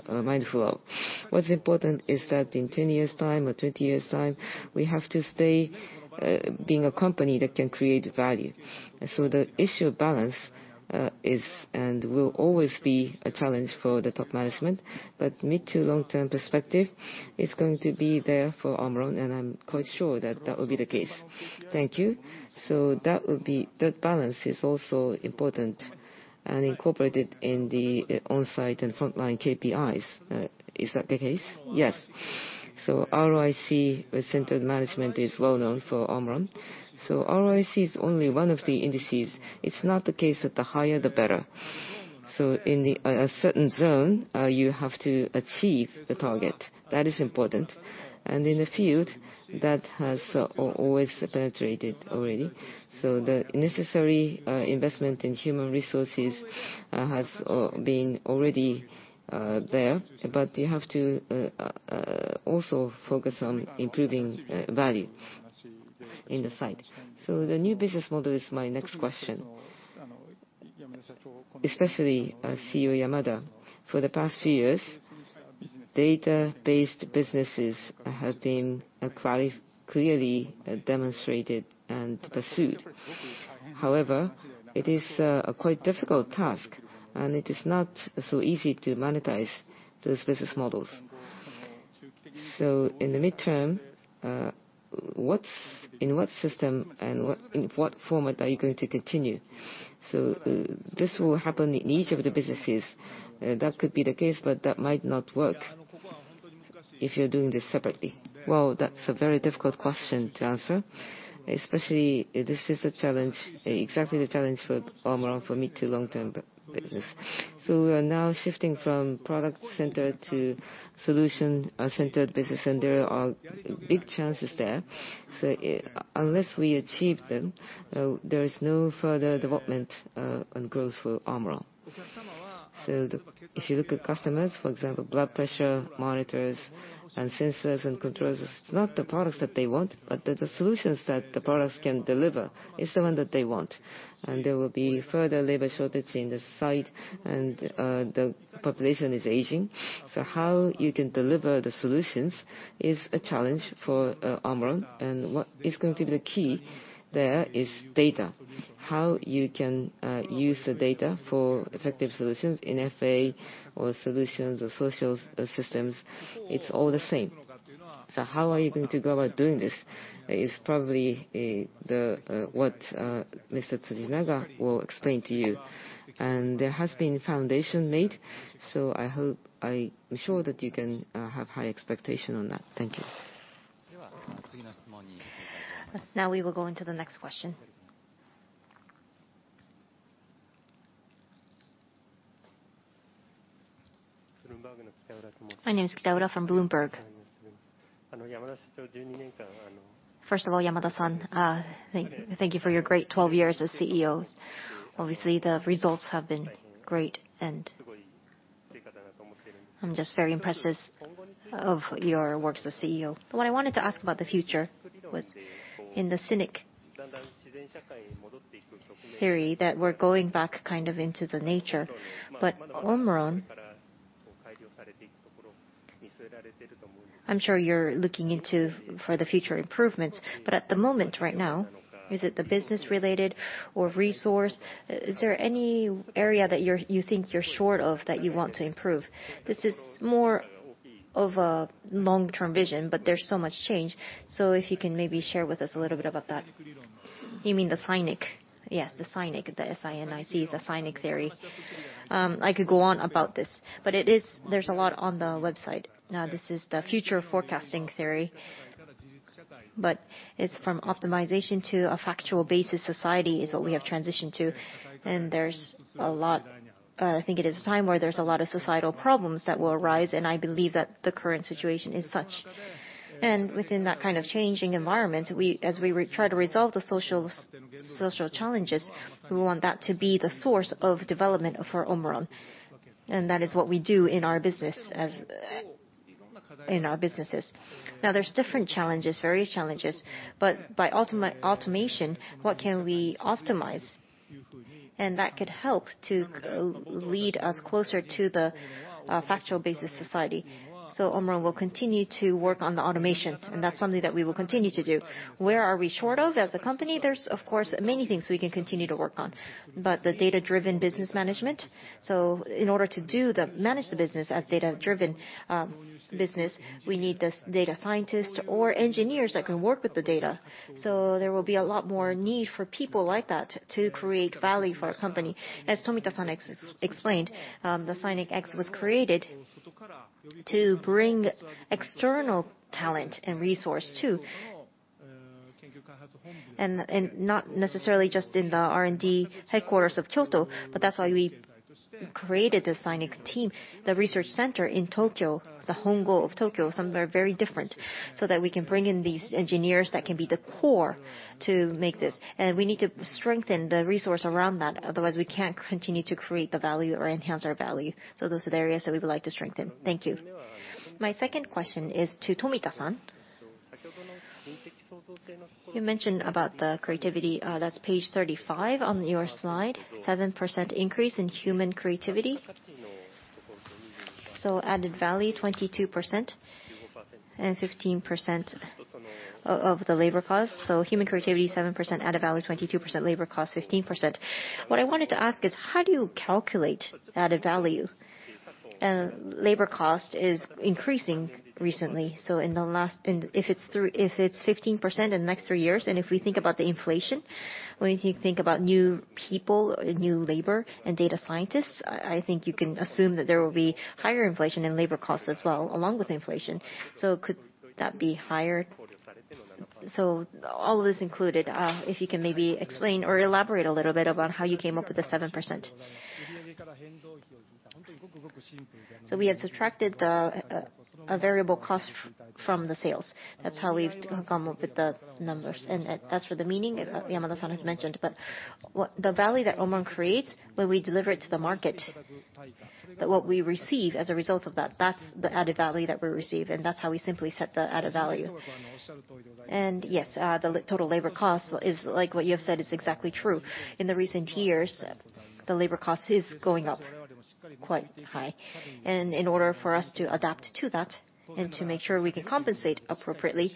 mindful of. What's important is that in 10 years' time or 20 years' time, we have to stay being a company that can create value. The issue of balance is and will always be a challenge for the top management. Mid to long-term perspective is going to be there for OMRON, and I'm quite sure that that will be the case. Thank you. That balance is also important and incorporated in the on-site and frontline KPIs. Is that the case? Yes. ROIC-centered management is well known for OMRON. ROIC is only one of the indices. It's not the case that the higher the better. In a certain zone, you have to achieve the target. That is important. In a field that has always penetrated already, so the necessary investment in human resources has been already there. You have to also focus on improving value in the site. The new business model is my next question. Especially as CEO Yamada, for the past few years, data-based businesses have been clearly demonstrated and pursued. It is a quite difficult task, and it is not so easy to monetize those business models. In the midterm, what system and in what format are you going to continue? This will happen in each of the businesses. That could be the case, but that might not work if you're doing this separately. That's a very difficult question to answer, especially this is a challenge, exactly the challenge for OMRON for mid to long-term business. We are now shifting from product-centered to solution-centered business, and there are big chances there. Unless we achieve them, there is no further development and growth for OMRON. The if you look at customers, for example, blood pressure monitors and sensors and controls, it's not the products that they want, but the solutions that the products can deliver is the one that they want. There will be further labor shortage in the site, and the population is aging. How you can deliver the solutions is a challenge for OMRON. What is going to be the key there is data. How you can use the data for effective solutions in FA or solutions or social systems, it's all the same. How are you going to go about doing this is probably the what Mr. Tsujinaga will explain to you. There has been foundation made, so I hope I'm sure that you can have high expectation on that. Thank you. Now we will go into the next question. My name is Kitaura from Bloomberg. First of all, Yamada-san, thank you for your great 12 years as CEO. Obviously, the results have been great, and I'm just very impressed of your work as a CEO. What I wanted to ask about the future was in the SINIC Theory that we're going back kind of into the nature. OMRON, I'm sure you're looking into for the future improvements, but at the moment right now, is it the business related or resource? Is there any area that you're, you think you're short of that you want to improve? This is more of a long-term vision, but there's so much change. If you can maybe share with us a little bit about that. You mean the SINIC? Yes, the SINIC. The S-I-N-I-C, the SINIC Theory. I could go on about this. There's a lot on the website. This is the future forecasting theory, but it's from optimization to a factual basis society is what we have transitioned to. There's a lot, I think it is a time where there's a lot of societal problems that will arise, and I believe that the current situation is such. Within that kind of changing environment, as we try to resolve the social challenges, we want that to be the source of development for OMRON. That is what we do in our business as In our businesses. There's different challenges, various challenges, but by ultimate automation, what can we optimize? That could help to lead us closer to the factual business society. OMRON will continue to work on the automation, and that's something that we will continue to do. Where are we short of as a company? There's of course many things we can continue to work on. The data-driven business management, in order to manage the business as data-driven business, we need this data scientist or engineers that can work with the data. There will be a lot more need for people like that to create value for our company. As Tomita-san explained, the SINIC X was created to bring external talent and resource too. Not necessarily just in the R&D headquarters of Kyoto, but that's why we created the SINIC team, the research center in Tokyo, the Hongo of Tokyo, somewhere very different, so that we can bring in these engineers that can be the core to make this. We need to strengthen the resource around that, otherwise we can't continue to create the value or enhance our value. Those are the areas that we would like to strengthen. Thank you. My second question is to Tomita-san. You mentioned about the creativity, that's page 35 on your slide, 7% increase in human creativity. Added value 22% and 15% of the labor cost. Human creativity 7%, added value 22%, labor cost 15%. What I wanted to ask is, how do you calculate added value? Labor cost is increasing recently, if it's 15% in the next three years, and if we think about the inflation, when you think about new people, new labor and data scientists, I think you can assume that there will be higher inflation and labor costs as well along with inflation. Could that be higher? All of this included, if you can maybe explain or elaborate a little bit about how you came up with the 7%. We have subtracted the variable cost from the sales. That's how we've come up with the numbers. As for the meaning, Yamada-san has mentioned. The value that OMRON creates when we deliver it to the market, that what we receive as a result of that's the added value that we receive, and that's how we simply set the added value. Yes, the total labor cost is like what you have said, it's exactly true. In the recent years, the labor cost is going up quite high. In order for us to adapt to that and to make sure we can compensate appropriately,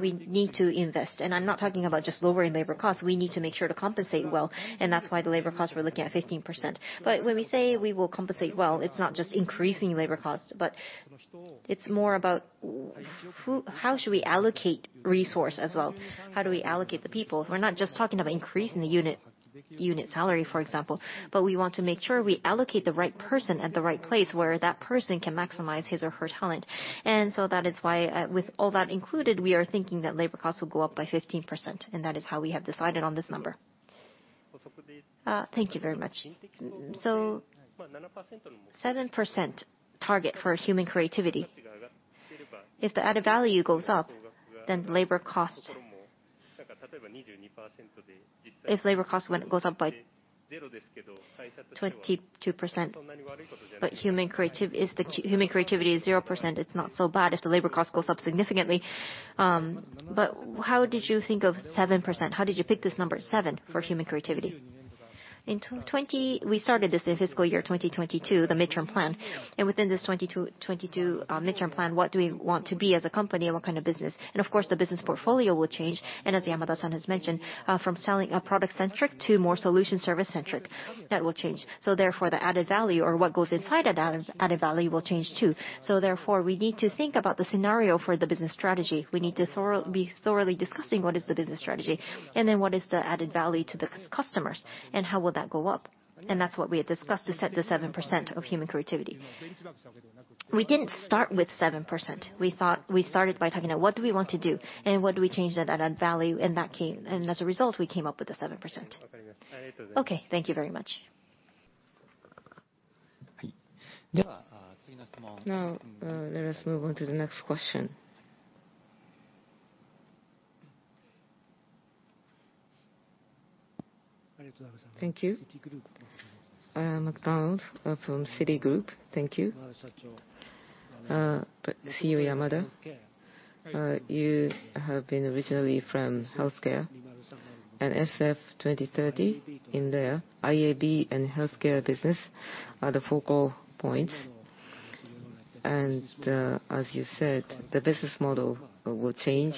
we need to invest. I'm not talking about just lowering labor costs, we need to make sure to compensate well, and that's why the labor costs we're looking at 15%. When we say we will compensate well, it's not just increasing labor costs, but it's more about how should we allocate resource as well? How do we allocate the people? We're not just talking about increasing the unit salary, for example, but we want to make sure we allocate the right person at the right place where that person can maximize his or her talent. That is why, with all that included, we are thinking that labor costs will go up by 15%, and that is how we have decided on this number. Thank you very much. 7% target for human creativity. If the added value goes up, If labor cost goes up by 22%, but human creativity is 0%, it's not so bad if the labor cost goes up significantly. How did you think of 7%? How did you pick this number seven for human creativity? In tw-twenty... We started this in fiscal year 2022, the midterm plan. Within this 2022 midterm plan, what do we want to be as a company and what kind of business? Of course, the business portfolio will change. As Yamada-san has mentioned, from selling a product-centric to more solution service-centric, that will change. Therefore, the added value or what goes inside that added value will change too. Therefore, we need to think about the scenario for the business strategy. We need to be thoroughly discussing what is the business strategy, and then what is the added value to the customers, and how will that go up. That's what we had discussed to set the 7% of human creativity. We didn't start with 7%. We started by talking about what do we want to do and what do we change that added value. As a result, we came up with the 7%. Thank you very much. Let us move on to the next question. Thank you. McDonald from Citigroup. Thank you. CEO Yamada, you have been originally from healthcare and SF2030 in there, IAB and healthcare business are the focal points. As you said, the business model will change.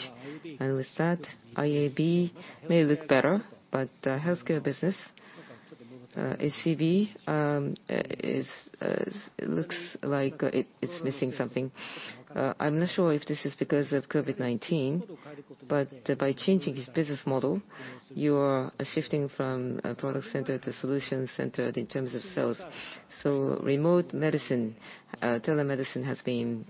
With that, IAB may look better, but healthcare business, ACV, looks like it's missing something. I'm not sure if this is because of COVID-19, but by changing this business model, you are shifting from a product-centered to solution-centered in terms of sales. Remote medicine, telemedicine has been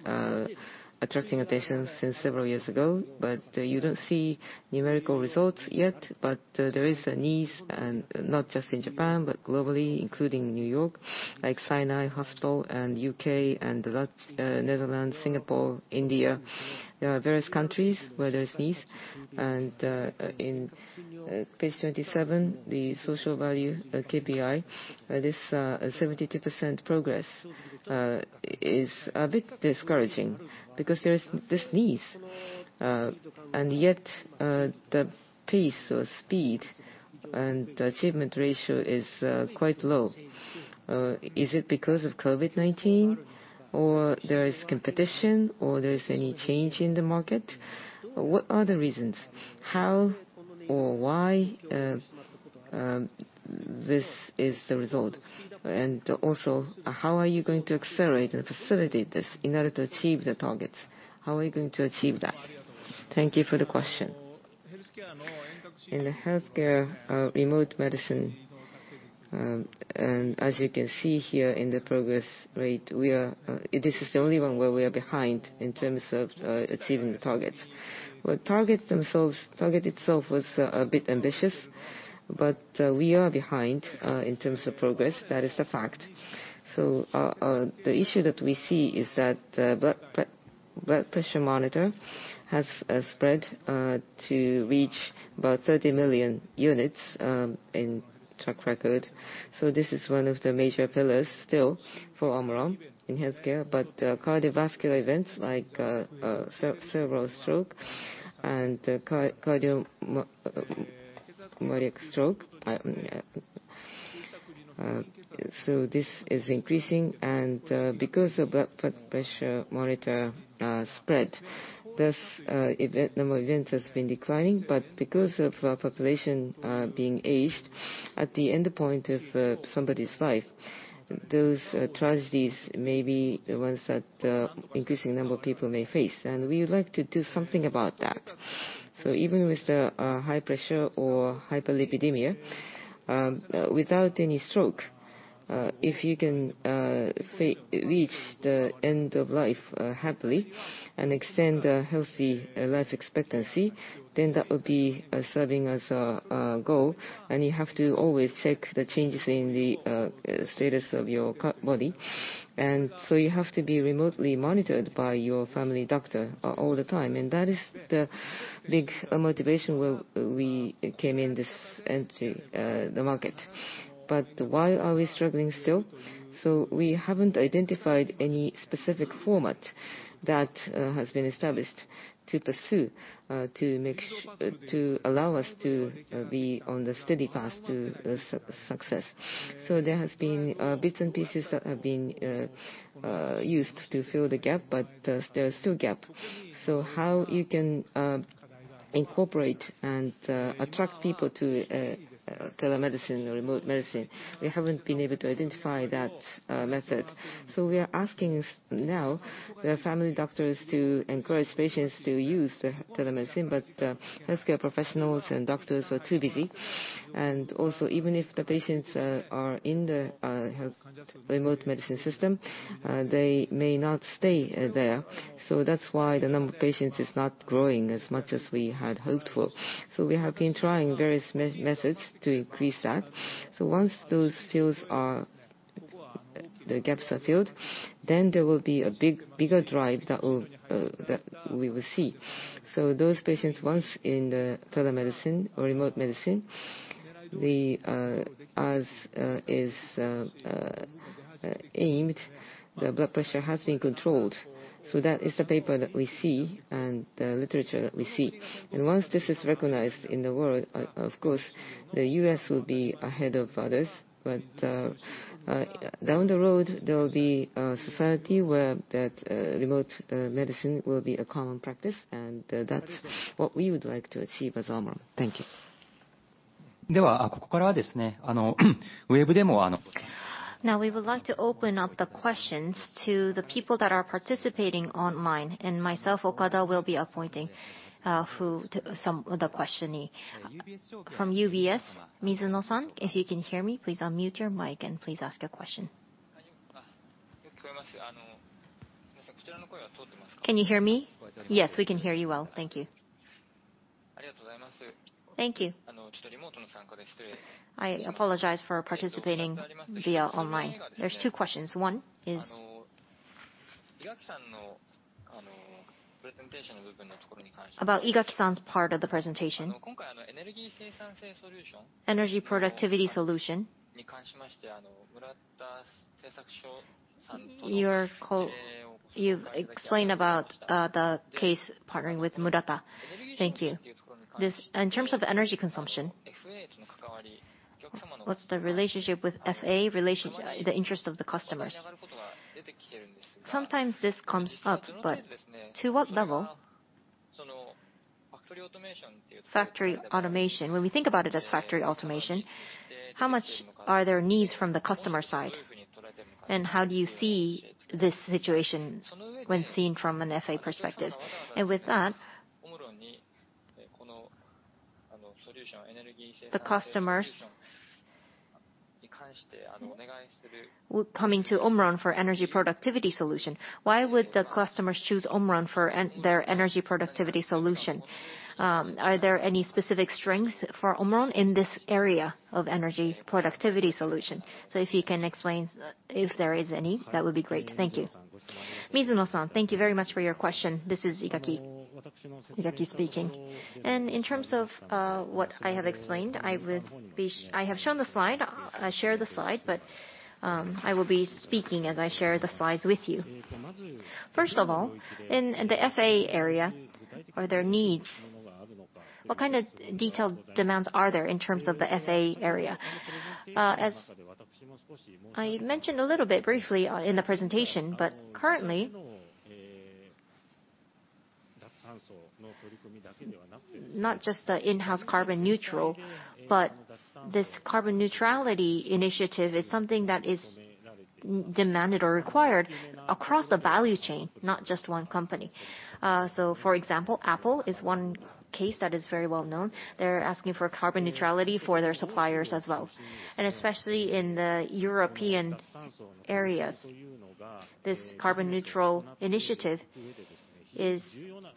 attracting attention since several years ago, but you don't see numerical results yet. There is a need, and not just in Japan, but globally, including New York, like The Mount Sinai Hospital and U.K. and Netherlands, Singapore, India. There are various countries where there is needs. In page 27, the social value, the KPI, this 72% progress is a bit discouraging because there is this needs, and yet, the pace or speed and achievement ratio is quite low. Is it because of COVID-19 or there is competition or there is any change in the market? What are the reasons? How or why this is the result? How are you going to accelerate and facilitate this in order to achieve the targets? How are you going to achieve that? Thank you for the question. In the healthcare, remote medicine, as you can see here in the progress rate, this is the only one where we are behind in terms of achieving the target. Well, target itself was a bit ambitious, we are behind in terms of progress. That is a fact. Our issue that we see is that blood pressure monitor has spread to reach about 30 million units in track record. This is one of the major pillars still for OMRON in healthcare. Cardiovascular events like cerebral stroke and cardioembolic stroke, this is increasing. Because of blood pressure monitor spread, thus, number of events has been declining. Because of population being aged, at the endpoint of somebody's life, those tragedies may be the ones that increasing number of people may face, and we would like to do something about that. Even with the high pressure or hyperlipidemia, without any stroke, if you can reach the end of life happily and extend a healthy life expectancy, then that would be serving as a goal. You have to always check the changes in the status of your body. You have to be remotely monitored by your family doctor all the time, and that is the big motivation where we came in this entry, the market. Why are we struggling still? We haven't identified any specific format that has been established to pursue to allow us to be on the steady path to success. There has been bits and pieces that have been used to fill the gap, but there is still gap. How you can incorporate and attract people to telemedicine or remote medicine, we haven't been able to identify that method. We are asking now the family doctors to encourage patients to use the telemedicine, but healthcare professionals and doctors are too busy. Also, even if the patients are in the health remote medicine system, they may not stay there. That's why the number of patients is not growing as much as we had hoped for. We have been trying various methods to increase that. Once those fills are, the gaps are filled, then there will be a big, bigger drive that will that we will see. Those patients, once in the telemedicine or remote medicine, the as is aimed, the blood pressure has been controlled. That is the paper that we see and the literature that we see. Once this is recognized in the world, of course, the U.S. will be ahead of others. Down the road, there will be a society where, that, remote medicine will be a common practice, and that's what we would like to achieve as OMRON. Thank you. Now, we would like to open up the questions to the people that are participating online, and myself, Okada, will be appointing who to the questionee. From UBS, Mizuno-san, if you can hear me, please unmute your mic and please ask a question. Can you hear me? Yes, we can hear you well. Thank you. Thank you. I apologize for participating via online. There's two questions. One is about Igaki-san's part of the presentation. Energy productivity solution. You've explained about the case partnering with Murata. Thank you. This, in terms of energy consumption, what's the relationship with FA relation, the interest of the customers? Sometimes this comes up, but to what level? Factory automation. When we think about it as factory automation, how much are there needs from the customer side, and how do you see this situation when seen from an FA perspective? With that, the customers coming to OMRON for energy productivity solution, why would the customers choose OMRON for their energy productivity solution? Are there any specific strengths for OMRON in this area of energy productivity solution? If you can explain if there is any, that would be great. Thank you. Mizuno-san, thank you very much for your question. This is Igaki. Exactly speaking. In terms of what I have explained, I have shown the slide, I share the slide, but I will be speaking as I share the slides with you. First of all, in the FA area, are there needs? What kind of detailed demands are there in terms of the FA area? As I mentioned a little bit briefly, in the presentation, but currently, not just the in-house carbon neutral, but this carbon neutrality initiative is something that is demanded or required across the value chain, not just one company. For example, Apple is one case that is very well known. They're asking for carbon neutrality for their suppliers as well. Especially in the European areas, this carbon neutral initiative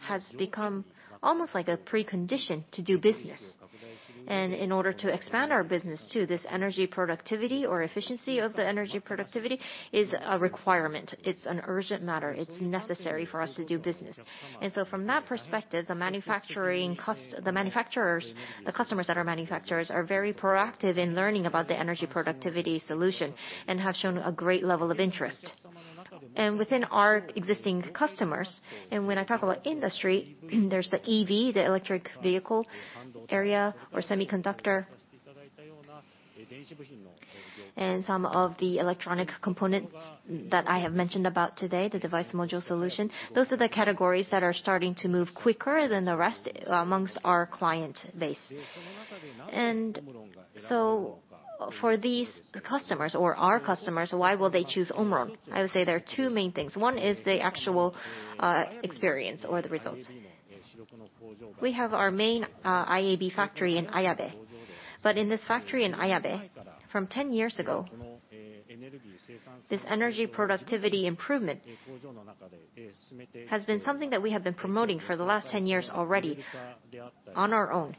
has become almost like a precondition to do business. In order to expand our business too, this energy productivity or efficiency of the energy productivity is a requirement. It's an urgent matter. It's necessary for us to do business. From that perspective, the manufacturers, the customers that are manufacturers are very proactive in learning about the energy productivity solution and have shown a great level of interest. Within our existing customers, when I talk about industry, there's the EV, the electric vehicle area or semiconductor. Some of the electronic components that I have mentioned about today, the Device Module Solution, those are the categories that are starting to move quicker than the rest amongst our client base. For these customers or our customers, why will they choose OMRON? I would say there are two main things. One is the actual experience or the results. We have our main IAB factory in Ayabe. In this factory in Ayabe, from 10 years ago, this energy productivity improvement has been something that we have been promoting for the last 10 years already on our own.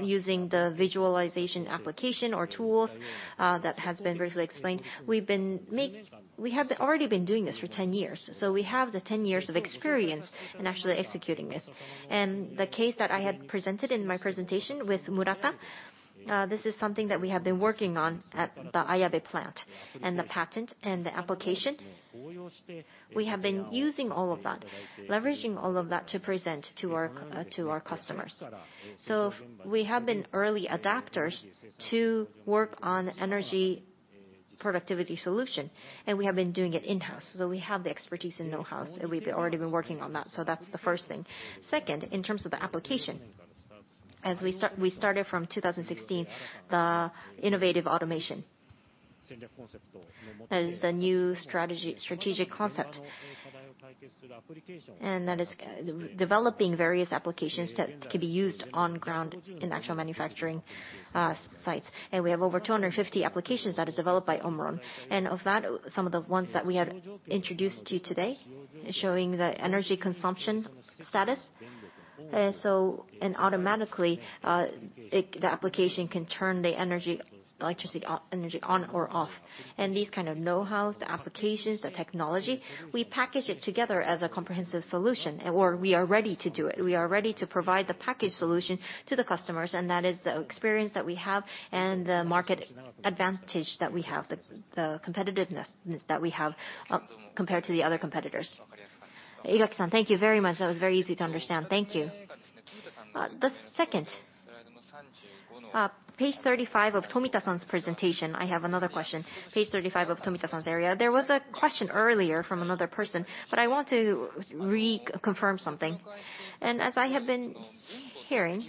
Using the visualization application or tools that has been briefly explained, We have already been doing this for 10 years. We have the 10 years of experience in actually executing this. The case that I had presented in my presentation with Murata, this is something that we have been working on at the Ayabe plant, and the patent and the application. We have been using all of that, leveraging all of that to present to our customers. We have been early adapters to work on energy productivity solution, and we have been doing it in-house. We have the expertise and know-hows, and we've already been working on that. That's the first thing. Second, in terms of the application, as we start, we started from 2016, the Innovative-Automation. That is the new strategy, strategic concept. That is developing various applications that can be used on ground in actual manufacturing sites. We have over 250 applications that is developed by OMRON. Of that, some of the ones that we have introduced to you today showing the energy consumption status. Automatically, the application can turn the energy, electricity, energy on or off. These kind of know-hows, the applications, the technology, we package it together as a comprehensive solution, or we are ready to do it. We are ready to provide the package solution to the customers, that is the experience that we have and the market advantage that we have, the competitiveness that we have compared to the other competitors. Igaki-san, thank you very much. That was very easy to understand. Thank you. The second, page 35 of Tomita-san's presentation, I have another question. Page 35 of Tomita-san's area. There was a question earlier from another person, I want to reconfirm something. As I have been hearing,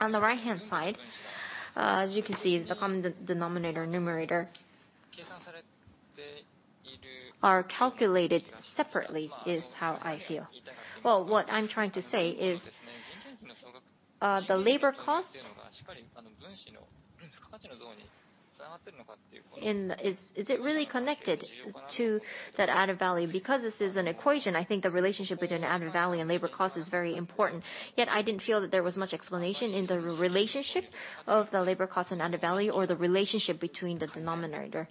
on the right-hand side, as you can see, the common de-denominator, numerator are calculated separately, is how I feel. Well, what I'm trying to say is, Is it really connected to that added value? This is an equation, I think the relationship between added value and labor cost is very important. Yet I didn't feel that there was much explanation in the relationship of the labor cost and added value or the relationship between the denominator.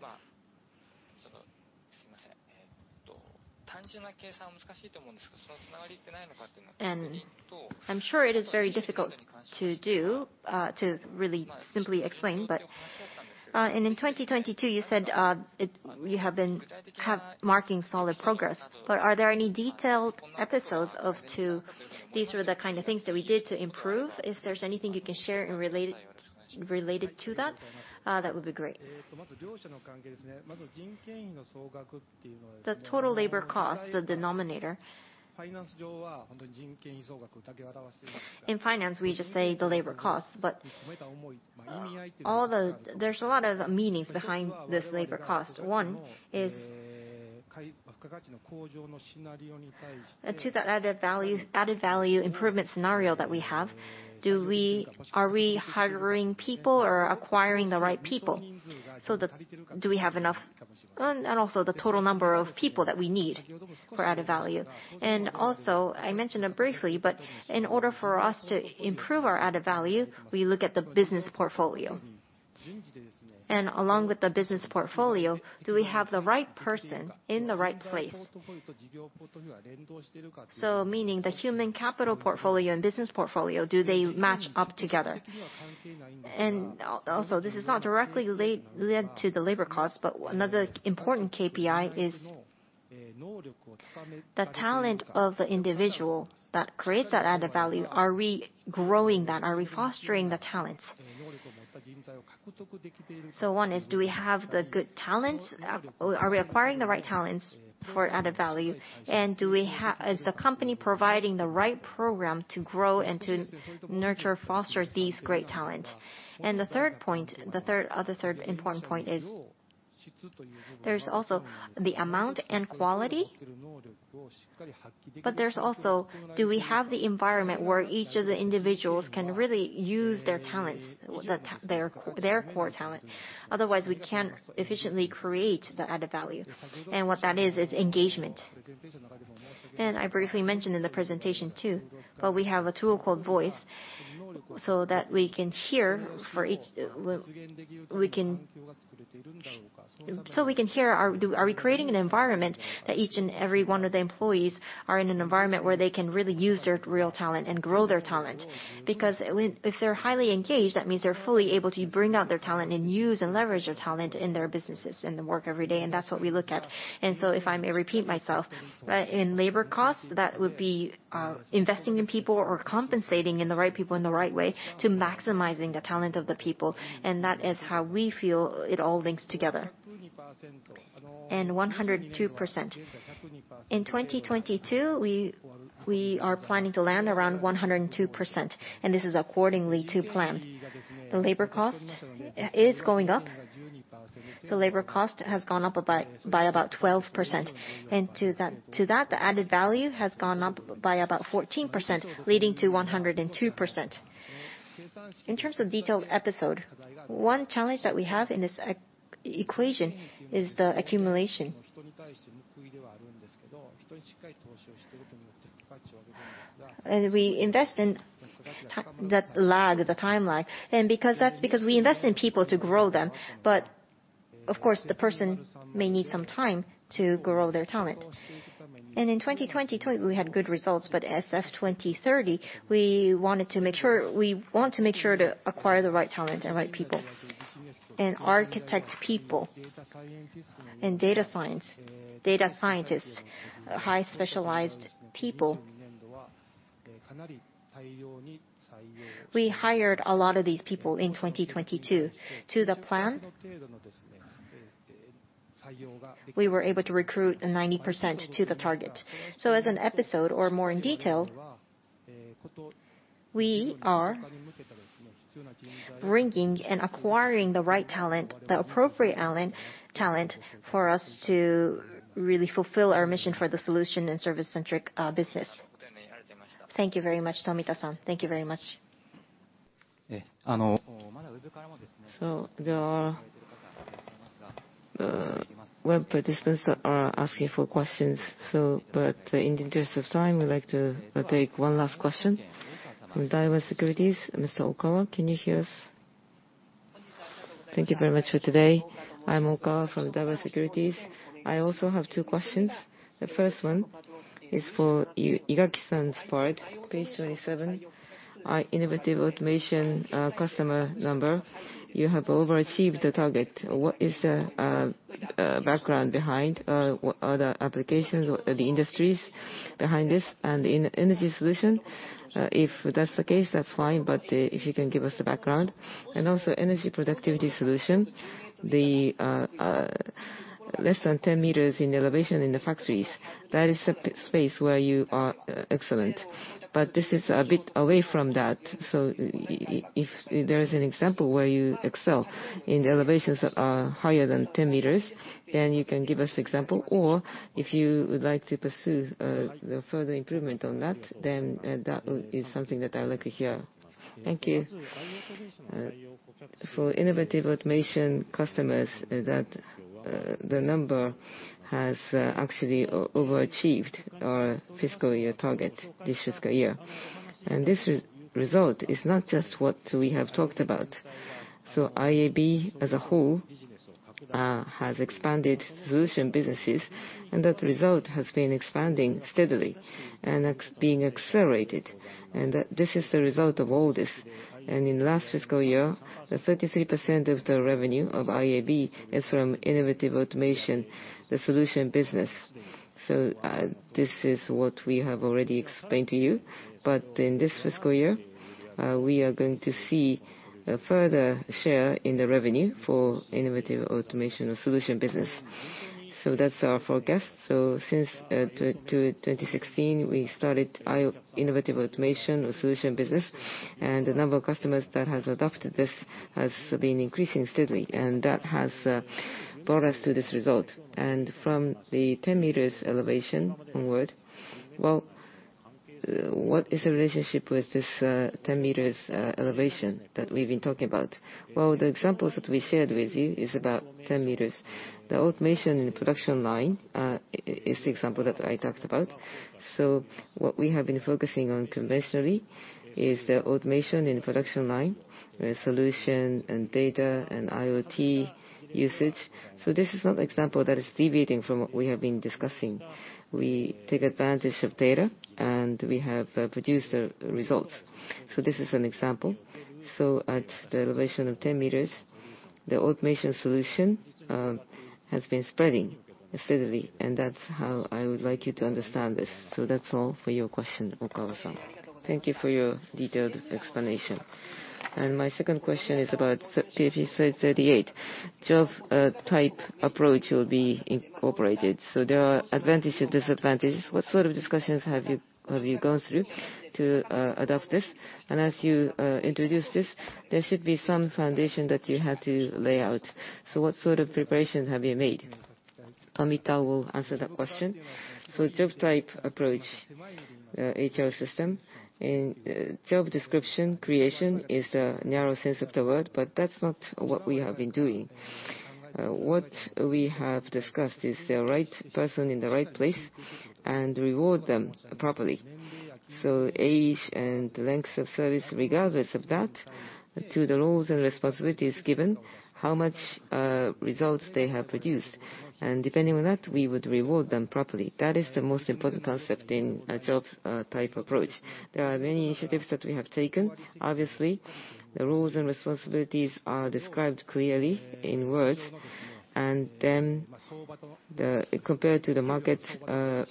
I'm sure it is very difficult to do, to really simply explain, but, in 2022, you said, it, you have been marking solid progress. Are there any detailed episodes of to these are the kind of things that we did to improve? If there's anything you can share in related to that would be great. The total labor cost, the denominator. In finance, we just say the labor cost, but, all the... There's a lot of meanings behind this labor cost. One is, to that added value improvement scenario that we have, are we hiring people or acquiring the right people? Do we have enough? Also the total number of people that we need for added value. Also, I mentioned it briefly, but in order for us to improve our added value, we look at the business portfolio. And along with the business portfolio, do we have the right person in the right place? So meaning, the human capital portfolio and business portfolio, do they match up together? Also, this is not directly led to the labor cost, but another important KPI is the talent of the individual that creates that added value. Are we growing that? Are we fostering the talents? So one is, do we have the good talent? Are we acquiring the right talents for added value? Is the company providing the right program to grow and to nurture, foster these great talent? The third point, the third important point is there's also the amount and quality, but there's also, do we have the environment where each of the individuals can really use their talents, their core talent? Otherwise, we can't efficiently create the added value. What that is engagement. I briefly mentioned in the presentation too, but we have a tool called VOICE so that we can hear for each, So we can hear, are we creating an environment that each and every one of the employees are in an environment where they can really use their real talent and grow their talent? When, if they're highly engaged, that means they're fully able to bring out their talent and use and leverage their talent in their businesses, in the work every day, and that's what we look at. If I may repeat myself, right? In labor costs, that would be investing in people or compensating in the right people in the right way to maximizing the talent of the people, and that is how we feel it all links together. 102%. In 2022, we are planning to land around 102%, and this is accordingly to plan. The labor cost is going up. The labor cost has gone up by about 12%. To that, the added value has gone up by about 14%, leading to 102%. In terms of detailed episode, one challenge that we have in this equation is the accumulation. We invest in that lag, the timeline, and because that's because we invest in people to grow them. Of course, the person may need some time to grow their talent. In 2020, we had good results, SF2030, we want to make sure to acquire the right talent and right people. Architect people, and data science, data scientists, high specialized people. We hired a lot of these people in 2022. To the plan, we were able to recruit 90% to the target. As an episode or more in detail, we are bringing and acquiring the right talent, the appropriate talent for us to really fulfill our mission for the solution and service-centric business. Thank you very much, Tomita-san. Thank you very much. There are web participants that are asking for questions, but in the interest of time, we'd like to take one last question. From Daiwa Securities, Mr. Okawa, can you hear us? Thank you very much for today. I'm Okawa from Daiwa Securities. I also have two questions. The first one is for Igaki-san's part, page 27. Our innovative-Automation customer number, you have overachieved the target. What is the background behind what are the applications or the industries behind this? In energy solution, if that's the case, that's fine, but if you can give us the background. Also, energy productivity solution, the less than 10 m in elevation in the factories, that is a space where you are excellent. This is a bit away from that, if there is an example where you excel in the elevations that are higher than 10 m, then you can give us example. Or if you would like to pursue the further improvement on that, then that is something that I'd like to hear. Thank you. For innovative-Automation! customers, that the number has actually overachieved our fiscal year target this fiscal year. This result is not just what we have talked about. IAB as a whole has expanded solution businesses, and that result has been expanding steadily, and being accelerated. This is the result of all this. In last fiscal year, the 33% of the revenue of IAB is from innovative-Automation!, the solution business. This is what we have already explained to you. In this fiscal year, we are going to see a further share in the revenue for Innovative-Automation! or solution business. That's our forecast. Since 2016, we started Innovative-Automation! or solution business, and the number of customers that has adopted this has been increasing steadily. That has brought us to this result. From the 10 m elevation onward, well, what is the relationship with this 10 m elevation that we've been talking about? Well, the examples that we shared with you is about 10 m. The automation in the production line is the example that I talked about. What we have been focusing on conventionally is the automation in production line, the solution and data and IoT usage. This is another example that is deviating from what we have been discussing. We take advantage of data, and we have produced the results. This is an example. At the elevation of 10 m, the automation solution has been spreading steadily, and that's how I would like you to understand this. That's all for your question, Okawa-san. Thank you for your detailed explanation. My second question is about PF Site 38. Job type approach will be incorporated, so there are advantage and disadvantages. What sort of discussions have you gone through to adopt this? As you introduce this, there should be some foundation that you had to lay out. What sort of preparations have you made? Tomita will answer that question. Job type approach, HR system. Job description creation is a narrow sense of the word, but that's not what we have been doing. What we have discussed is the right person in the right place and reward them properly. Age and lengths of service, regardless of that, to the roles and responsibilities given, how much results they have produced. Depending on that, we would reward them properly. That is the most important concept in a job-type approach. There are many initiatives that we have taken. Obviously, the roles and responsibilities are described clearly in words. Compared to the market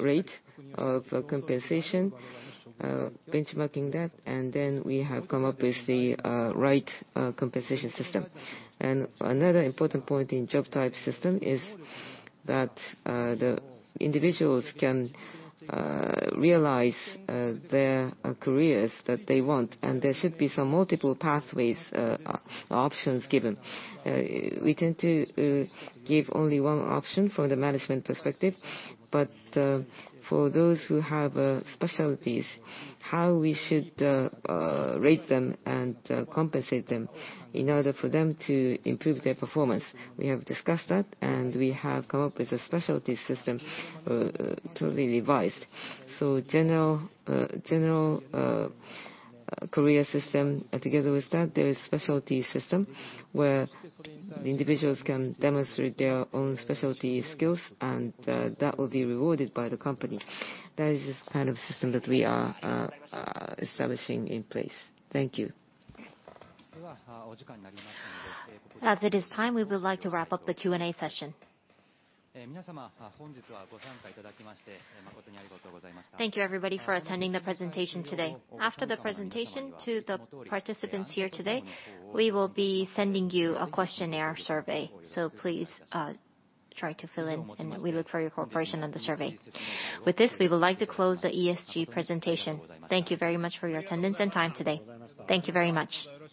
rate of compensation, benchmarking that, we have come up with the right compensation system. Another important point in job type system is that the individuals can realize their careers that they want, and there should be some multiple pathways options given. We tend to give only one option from the management perspective, but for those who have specialties, how we should rate them and compensate them in order for them to improve their performance. We have discussed that, and we have come up with a specialty system totally revised. General career system, together with that, there is specialty system where the individuals can demonstrate their own specialty skills and that will be rewarded by the company. That is the kind of system that we are establishing in place. Thank you. As it is time, we would like to wrap up the Q&A session. Thank you, everybody, for attending the presentation today. After the presentation to the participants here today, we will be sending you a questionnaire survey. Please try to fill in, and we look for your cooperation on the survey. With this, we would like to close the ESG presentation. Thank you very much for your attendance and time today. Thank you very much.